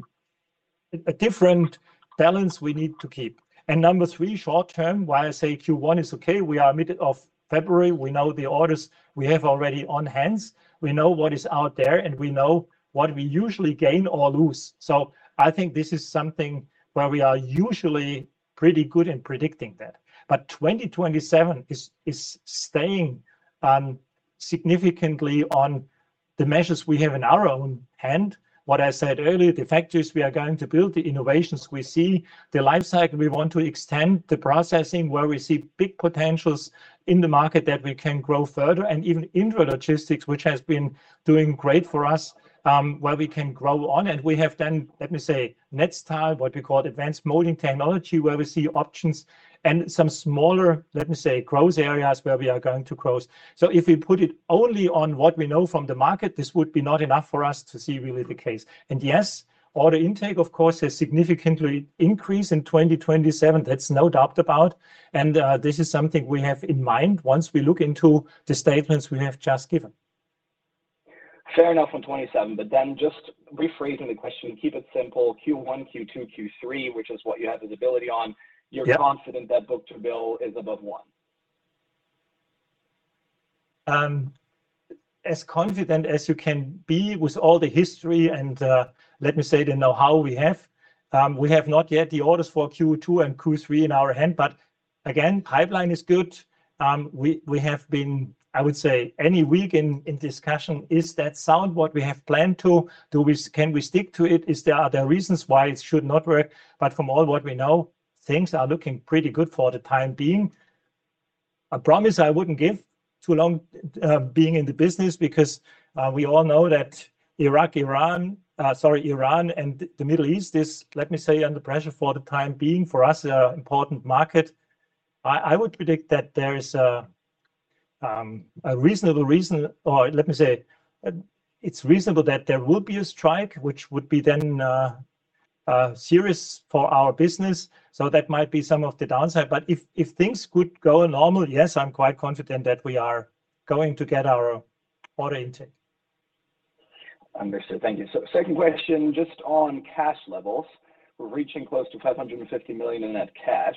different balance we need to keep. And number three, short term, why I say Q1 is okay, we are mid of February. We know the orders we have already on hands, we know what is out there, and we know what we usually gain or lose. So I think this is something where we are usually pretty good in predicting that. But 2027 is staying significantly on the measures we have in our own hand, what I said earlier, the factories we are going to build, the innovations we see, the life cycle we want to extend, the processing where we see big potentials in the market that we can grow further, and even Intralogistics, which has been doing great for us, where we can grow on. And we have then, let me say, next time, what we call advanced molding technology, where we see options and some smaller, let me say, growth areas where we are going to grow. So if we put it only on what we know from the market, this would be not enough for us to see really the case. Yes, order intake, of course, has significantly increased in 2027, that's no doubt about. This is something we have in mind once we look into the statements we have just given. Fair enough on 27, but then just rephrasing the question, keep it simple, Q1, Q2, Q3, which is what you have visibility on. Yep. You're confident that book-to bill is above one? As confident as you can be with all the history and, let me say, the know-how we have. We have not yet the orders for Q2 and Q3 in our hand, but again, pipeline is good. We have been, I would say any week in discussion, is that sound what we have planned to? Do we—Can we stick to it? Is there—Are there reasons why it should not work? But from all what we know, things are looking pretty good for the time being. A promise I wouldn't give too long, being in the business because, we all know that Israel, Iran, sorry, Iran and the Middle East is, let me say, under pressure for the time being, for us, an important market. I would predict that there is a reasonable reason, or let me say, it's reasonable that there will be a strike, which would be then serious for our business. So that might be some of the downside, but if things could go normal, yes, I'm quite confident that we are going to get our order intake. Understood. Thank you. So second question, just on cash levels, we're reaching close to 550 million in net cash.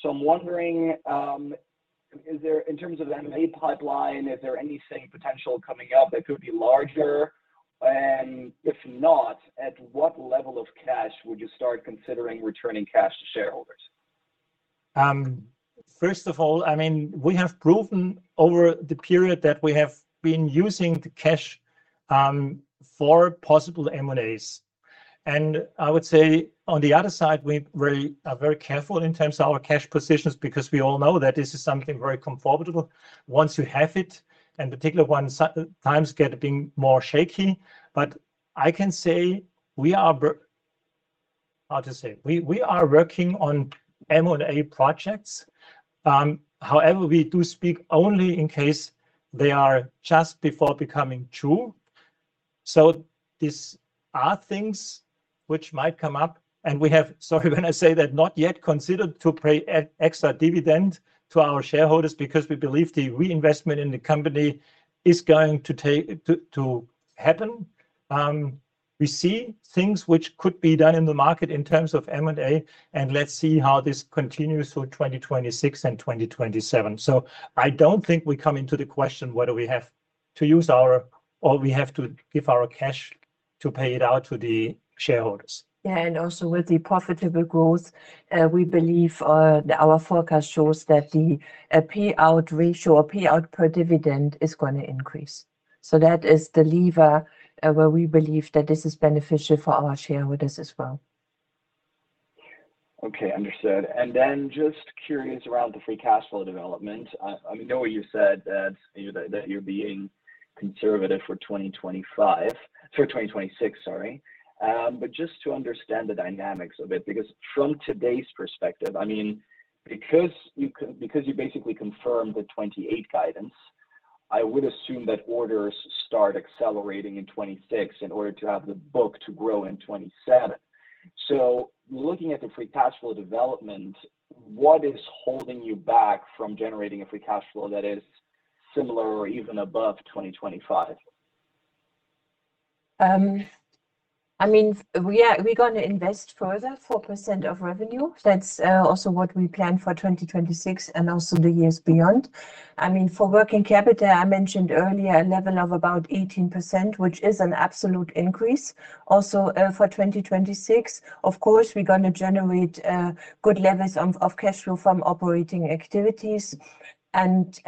So I'm wondering, is there, in terms of M&A pipeline, is there anything potential coming up that could be larger? And if not, at what level of cash would you start considering returning cash to shareholders? First of all, I mean, we have proven over the period that we have been using the cash for possible M&As. I would say on the other side, we are very careful in terms of our cash positions because we all know that this is something very comfortable once you have it, and particularly when such times get being more shaky. But I can say we are, how to say? We are working on M&A projects. However, we do speak only in case they are just before becoming true. So these are things which might come up, and we have, sorry, when I say that, not yet considered to pay extra dividend to our shareholders because we believe the reinvestment in the company is going to happen. We see things which could be done in the market in terms of M&A, and let's see how this continues through 2026 and 2027. I don't think we come into the question, what do we have to use our or we have to give our cash to pay it out to the shareholders? Yeah, and also with the profitable growth, we believe, our forecast shows that the payout ratio or payout per dividend is going to increase. So that is the lever, where we believe that this is beneficial for our shareholders as well. Okay, understood. And then just curious around the free cash flow development. I know you said that, you know, that you're being conservative for 2025 for 2026, sorry. But just to understand the dynamics of it, because from today's perspective, I mean, because you basically confirmed the 2028 guidance, I would assume that orders start accelerating in 2026 in order to have the book-to-bill grow in 2027. So looking at the free cash flow development, what is holding you back from generating a free cash flow that is similar or even above 2025? I mean, we are, we're going to invest further, 4% of revenue. That's also what we plan for 2026 and also the years beyond. I mean, for working capital, I mentioned earlier a level of about 18%, which is an absolute increase also for 2026. Of course, we're gonna generate good levels of cash flow from operating activities. And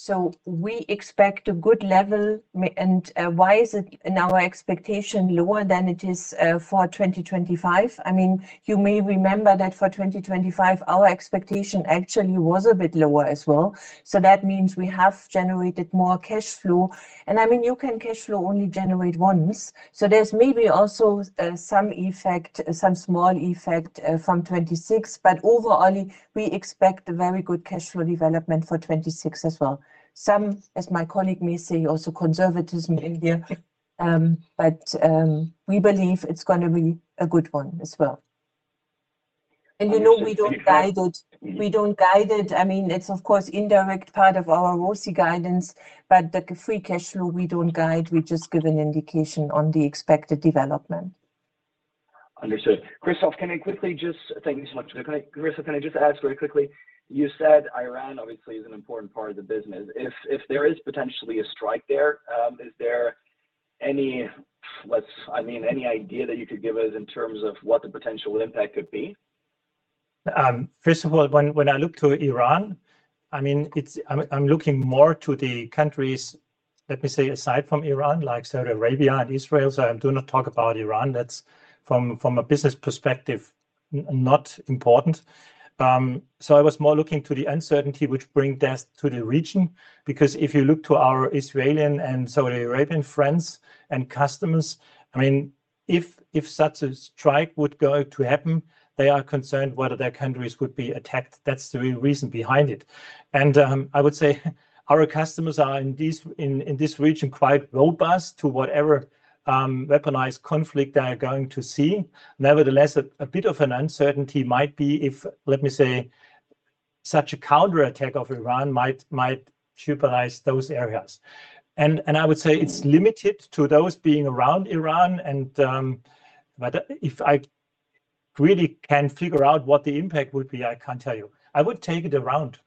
so we expect a good level. And why is it in our expectation lower than it is for 2025? I mean, you may remember that for 2025, our expectation actually was a bit lower as well. So that means we have generated more cash flow. And I mean, you can cash flow only generate once, so there's maybe also some effect, some small effect from 2026. But overall, we expect a very good cash flow development for 2026 as well. Some, as my colleague may say, also conservatism in there, but we believe it's gonna be a good one as well. Understood. You know, we don't guide it. We don't guide it. I mean, it's of course, indirect part of our ROCE guidance, but the free cash flow, we don't guide, we just give an indication on the expected development. Understood. Christoph, can I quickly just. Thank you so much. Can I, Christoph, can I just ask very quickly, you said Iran obviously is an important part of the business. If there is potentially a strike there, is there any, I mean, any idea that you could give us in terms of what the potential impact could be? First of all, when I look to Iran, I mean, it's. I'm looking more to the countries, let me say, aside from Iran, like Saudi Arabia and Israel. So I'm doing not talk about Iran. That's from a business perspective, not important. So I was more looking to the uncertainty which bring death to the region, because if you look to our Israeli and Saudi Arabian friends and customers, I mean, if such a strike would go to happen, they are concerned whether their countries would be attacked. That's the real reason behind it. I would say our customers are in this region, quite robust to whatever weaponized conflict they are going to see. Nevertheless, a bit of an uncertainty might be if, let me say, such a counterattack of Iran might jeopardize those areas. And I would say it's limited to those being around Iran, but if I really can figure out what the impact would be, I can't tell you. I would take it around.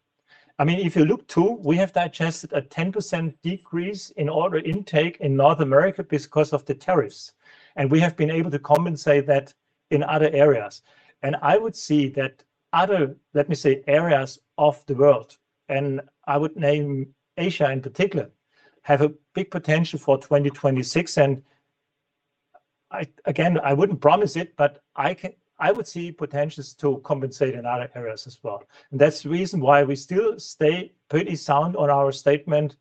I mean, if you look, too, we have digested a 10% decrease in order intake in North America because of the tariffs, and we have been able to compensate that in other areas. And I would see that other, let me say, areas of the world, and I would name Asia in particular, have a big potential for 2026. And again, I wouldn't promise it, but I can, I would see potentials to compensate in other areas as well. That's the reason why we still stay pretty sound on our statement.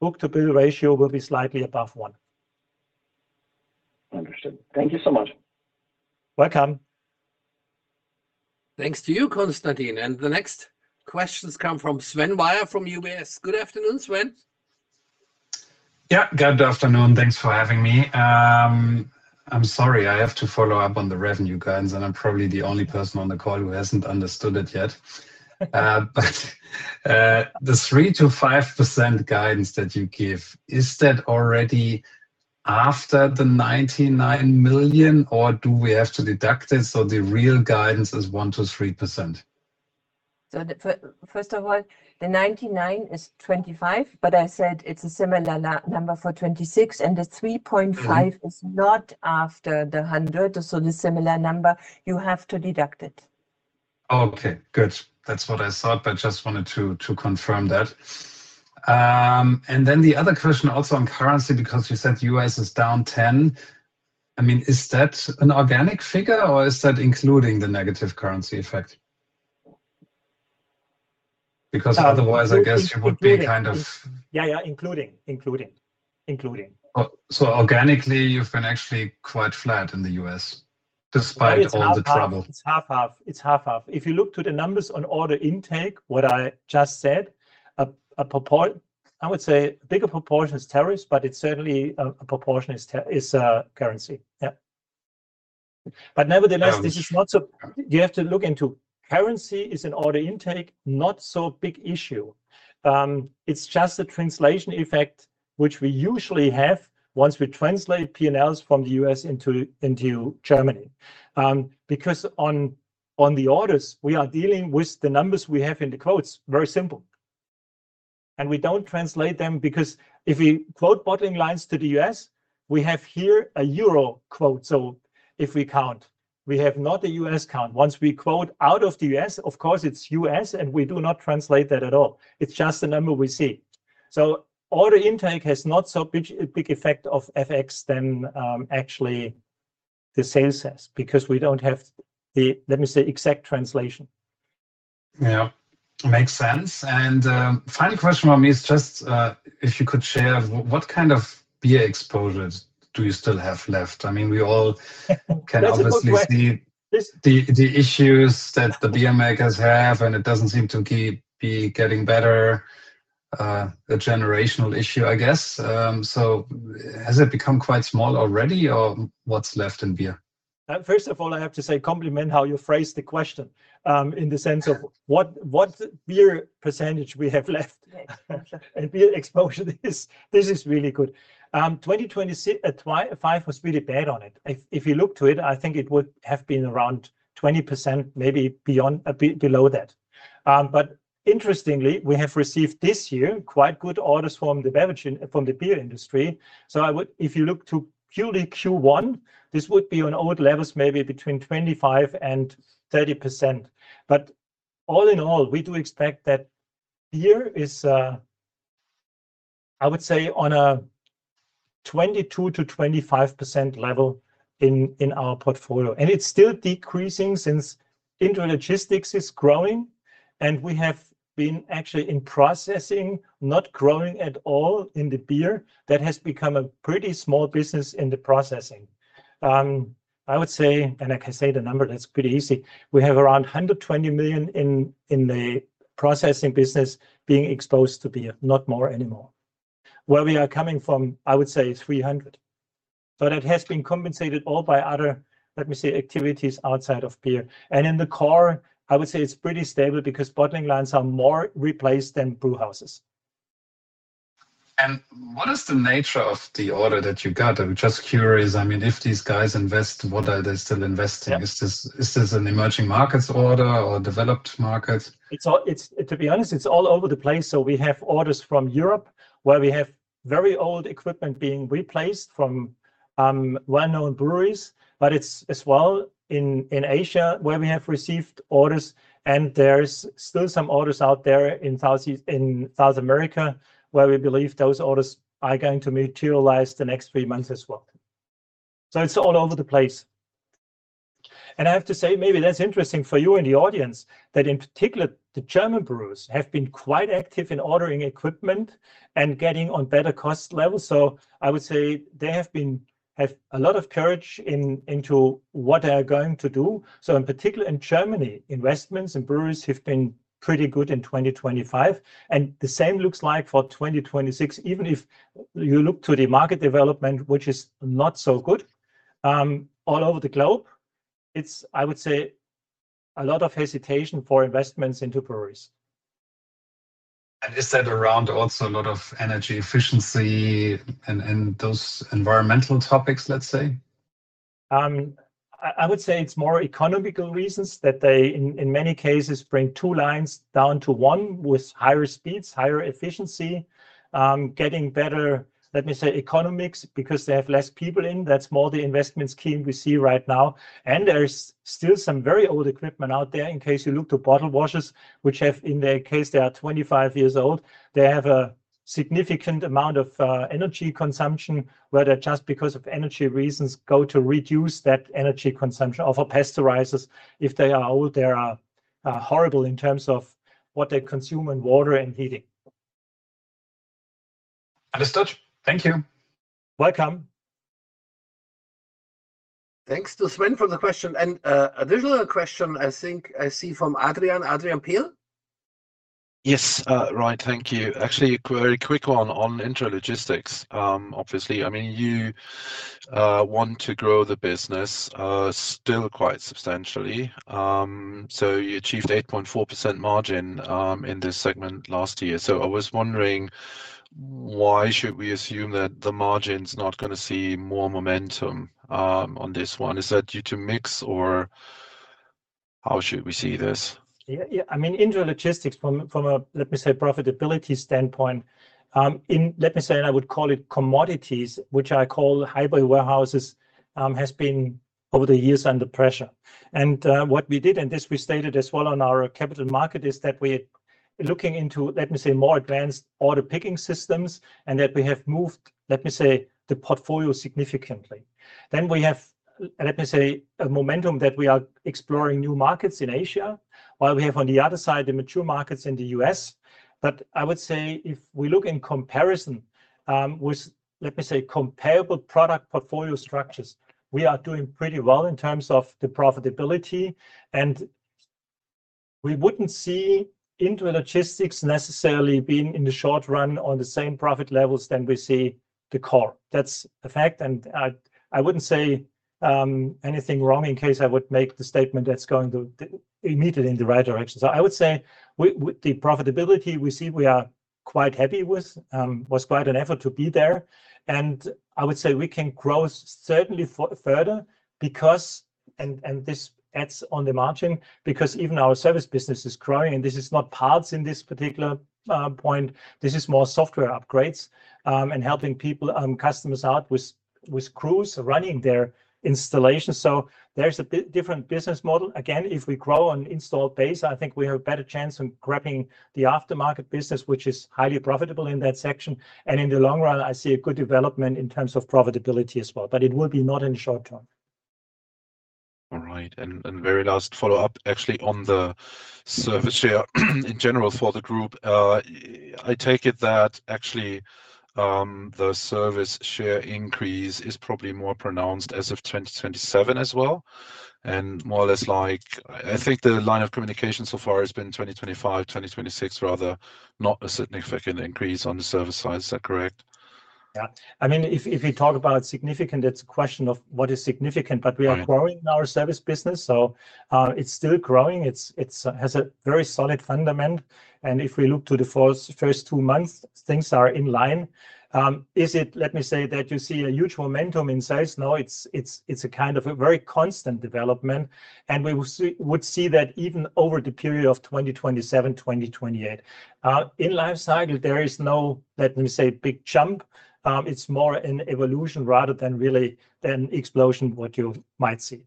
Book-to-bill ratio will be slightly above one. Understood. Thank you so much. Welcome. Thanks to you, Konstantin. The next questions come from Sven Weier from UBS. Good afternoon, Sven. Yeah, good afternoon. Thanks for having me. I'm sorry, I have to follow up on the revenue guidance, and I'm probably the only person on the call who hasn't understood it yet. But, the 3%-5% guidance that you give, is that already after the 99 million, or do we have to deduct it, so the real guidance is 1%-3%? So the first of all, the 99 is 25, but I said it's a similar number for 26, and the 3.5. Mm-hmm Is not after the 100, so the similar number, you have to deduct it. Okay, good. That's what I thought, but just wanted to confirm that. And then the other question also on currency, because you said U.S. is down 10. I mean, is that an organic figure, or is that including the negative currency effect? Because otherwise. In-including I guess you would be kind of. Yeah, yeah, including, including, including. Oh, so organically, you've been actually quite flat in the U.S., despite all the trouble. Well, it's 50/50. It's 50/50. If you look to the numbers on order intake, what I just said, I would say a bigger proportion is tariffs, but it's certainly a proportion is currency. Yeah. But nevertheless. Um This is not so, you have to look into currency is an order intake, not so big issue. It's just a translation effect, which we usually have once we translate P&Ls from the US into Germany. Because on the orders, we are dealing with the numbers we have in the quotes, very simple. And we don't translate them because if we quote bottling lines to the US, we have here a euro quote. So if we count, we have not a US count. Once we quote out of the US, of course, it's US, and we do not translate that at all. It's just the number we see. So order intake has not so big, a big effect of FX than actually the sales has, because we don't have the, let me say, exact translation. Yeah. Makes sense. Final question from me is just, if you could share, what kind of beer exposures do you still have left? I mean, we all. That's a good question. Can obviously see the issues that the beer makers have, and it doesn't seem to be getting better. A generational issue, I guess. So has it become quite small already, or what's left in beer? First of all, I have to say compliment how you phrased the question, in the sense of what beer percentage we have left. Beer exposure is, this is really good. 2025 was really bad on it. If you look to it, I think it would have been around 20%, maybe beyond, a bit below that. But interestingly, we have received this year quite good orders from the beverage industry, from the beer industry. So I would, if you look to purely Q1, this would be on old levels, maybe between 25% and 30%. But all in all, we do expect that beer is, I would say on a 22%-25% level in our portfolio. And it's still decreasing since intralogistics is growing, and we have been actually in processing, not growing at all in the beer. That has become a pretty small business in the processing. I would say, and I can say the number, that's pretty easy, we have around 120 million in the processing business being exposed to beer, not more anymore. Where we are coming from, I would say 300 million, but it has been compensated all by other, let me say, activities outside of beer. In the core, I would say it's pretty stable because bottling lines are more replaced than brewhouses. What is the nature of the order that you got? I'm just curious. I mean, if these guys invest, what are they still investing? Yeah. Is this an emerging markets order or a developed market? To be honest, it's all over the place. So we have orders from Europe, where we have very old equipment being replaced from well-known breweries, but it's as well in Asia, where we have received orders, and there's still some orders out there in South America, where we believe those orders are going to materialize the next three months as well. So it's all over the place. And I have to say, maybe that's interesting for you in the audience, that in particular, the German breweries have been quite active in ordering equipment and getting on better cost levels. So I would say they have a lot of courage in, into what they are going to do. So in particular, in Germany, investments in breweries have been pretty good in 2025, and the same looks like for 2026. Even if you look to the market development, which is not so good, all over the globe, it's, I would say, a lot of hesitation for investments into breweries. And is that around also a lot of energy efficiency and those environmental topics, let's say? I would say it's more economical reasons that they in many cases bring two lines down to one with higher speeds, higher efficiency, getting better, let me say, economics, because they have less people in. That's more the investment scheme we see right now, and there's still some very old equipment out there. In case you look to bottle washers, which have, in their case, they are 25 years old, they have a significant amount of energy consumption, where they, just because of energy reasons, go to reduce that energy consumption. Or for pasteurizers, if they are old, they are horrible in terms of what they consume in water and heating. Understood. Thank you. Welcome. Thanks to Sven for the question. Additional question I think I see from Adrian. Adrian Pehl? Yes, right. Thank you. Actually, a very quick one on intralogistics. Obviously, I mean, you want to grow the business still quite substantially. So you achieved 8.4% margin in this segment last year. So I was wondering, why should we assume that the margin's not gonna see more momentum on this one? Is that due to mix, or how should we see this? Yeah, yeah. I mean, intralogistics from, from a, let me say, profitability standpoint, in, let me say, and I would call it commodities, which I call hybrid warehouses, has been, over the years, under pressure. What we did, and this we stated as well on our capital market, is that we're looking into, let me say, more advanced order picking systems and that we have moved, let me say, the portfolio significantly. We have, let me say, a momentum that we are exploring new markets in Asia, while we have, on the other side, the mature markets in the US. But I would say, if we look in comparison with, let me say, comparable product portfolio structures, we are doing pretty well in terms of the profitability, and we wouldn't see intralogistics necessarily being, in the short run, on the same profit levels than we see the core. That's a fact, and I wouldn't say anything wrong in case I would make the statement that's going the, immediately in the right direction. So I would say the profitability we see, we are quite happy with. Was quite an effort to be there, and I would say we can grow certainly further because, and, and this adds on the margin, because even our service business is growing, and this is not parts in this particular point. This is more software upgrades, and helping people, customers out with Krones running their installations. So there's a different business model. Again, if we grow on installed base, I think we have a better chance in grabbing the aftermarket business, which is highly profitable in that section, and in the long run, I see a good development in terms of profitability as well, but it will be not in the short term. All right, and very last follow-up, actually, on the service share in general for the group. I take it that actually, the service share increase is probably more pronounced as of 2027 as well, and more or less like, I think the line of communication so far has been 2025, 2026, rather, not a significant increase on the service side. Is that correct? Yeah. I mean, if you talk about significant, it's a question of what is significant. Right But we are growing our service business, so it's still growing. It's, it's has a very solid foundation, and if we look to the first, first two months, things are in line. Is it, let me say, that you see a huge momentum in sales? No, it's, it's, it's a kind of a very constant development, and we will see, would see that even over the period of 2027, 2028. In life cycle, there is no, let me say, big jump. It's more an evolution rather than really an explosion, what you might see.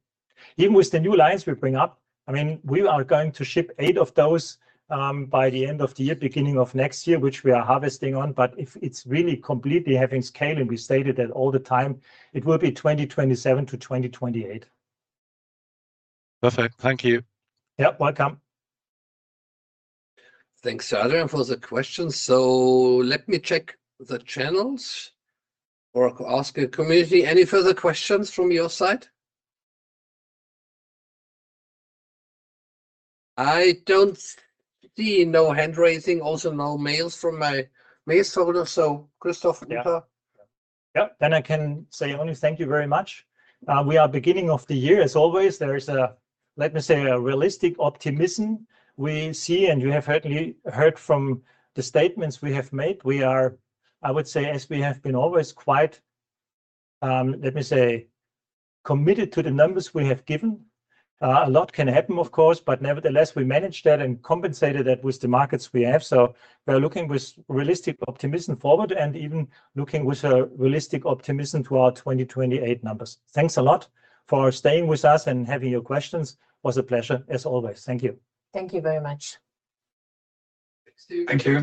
Even with the new lines we bring up, I mean, we are going to ship eight of those by the end of the year, beginning of next year, which we are harvesting on, but if it's really completely having scale, and we stated that all the time, it will be 2027-2028. Perfect. Thank you. Yep, welcome. Thanks, Adrian, for the questions. So let me check the channels or ask the community. Any further questions from your side? I don't see no hand-raising, also no mails from my mail folder, so Christoph, Uta? Yeah. I can say only thank you very much. We are beginning of the year. As always, there is, let me say, a realistic optimism we see, and you have heard me, heard from the statements we have made. We are, I would say, as we have been always, quite, let me say, committed to the numbers we have given. A lot can happen, of course, but nevertheless, we managed that and compensated that with the markets we have. We are looking with realistic optimism forward, and even looking with a realistic optimism to our 2028 numbers. Thanks a lot for staying with us and having your questions. Was a pleasure, as always. Thank you. Thank you very much. Thanks to you. Thank you.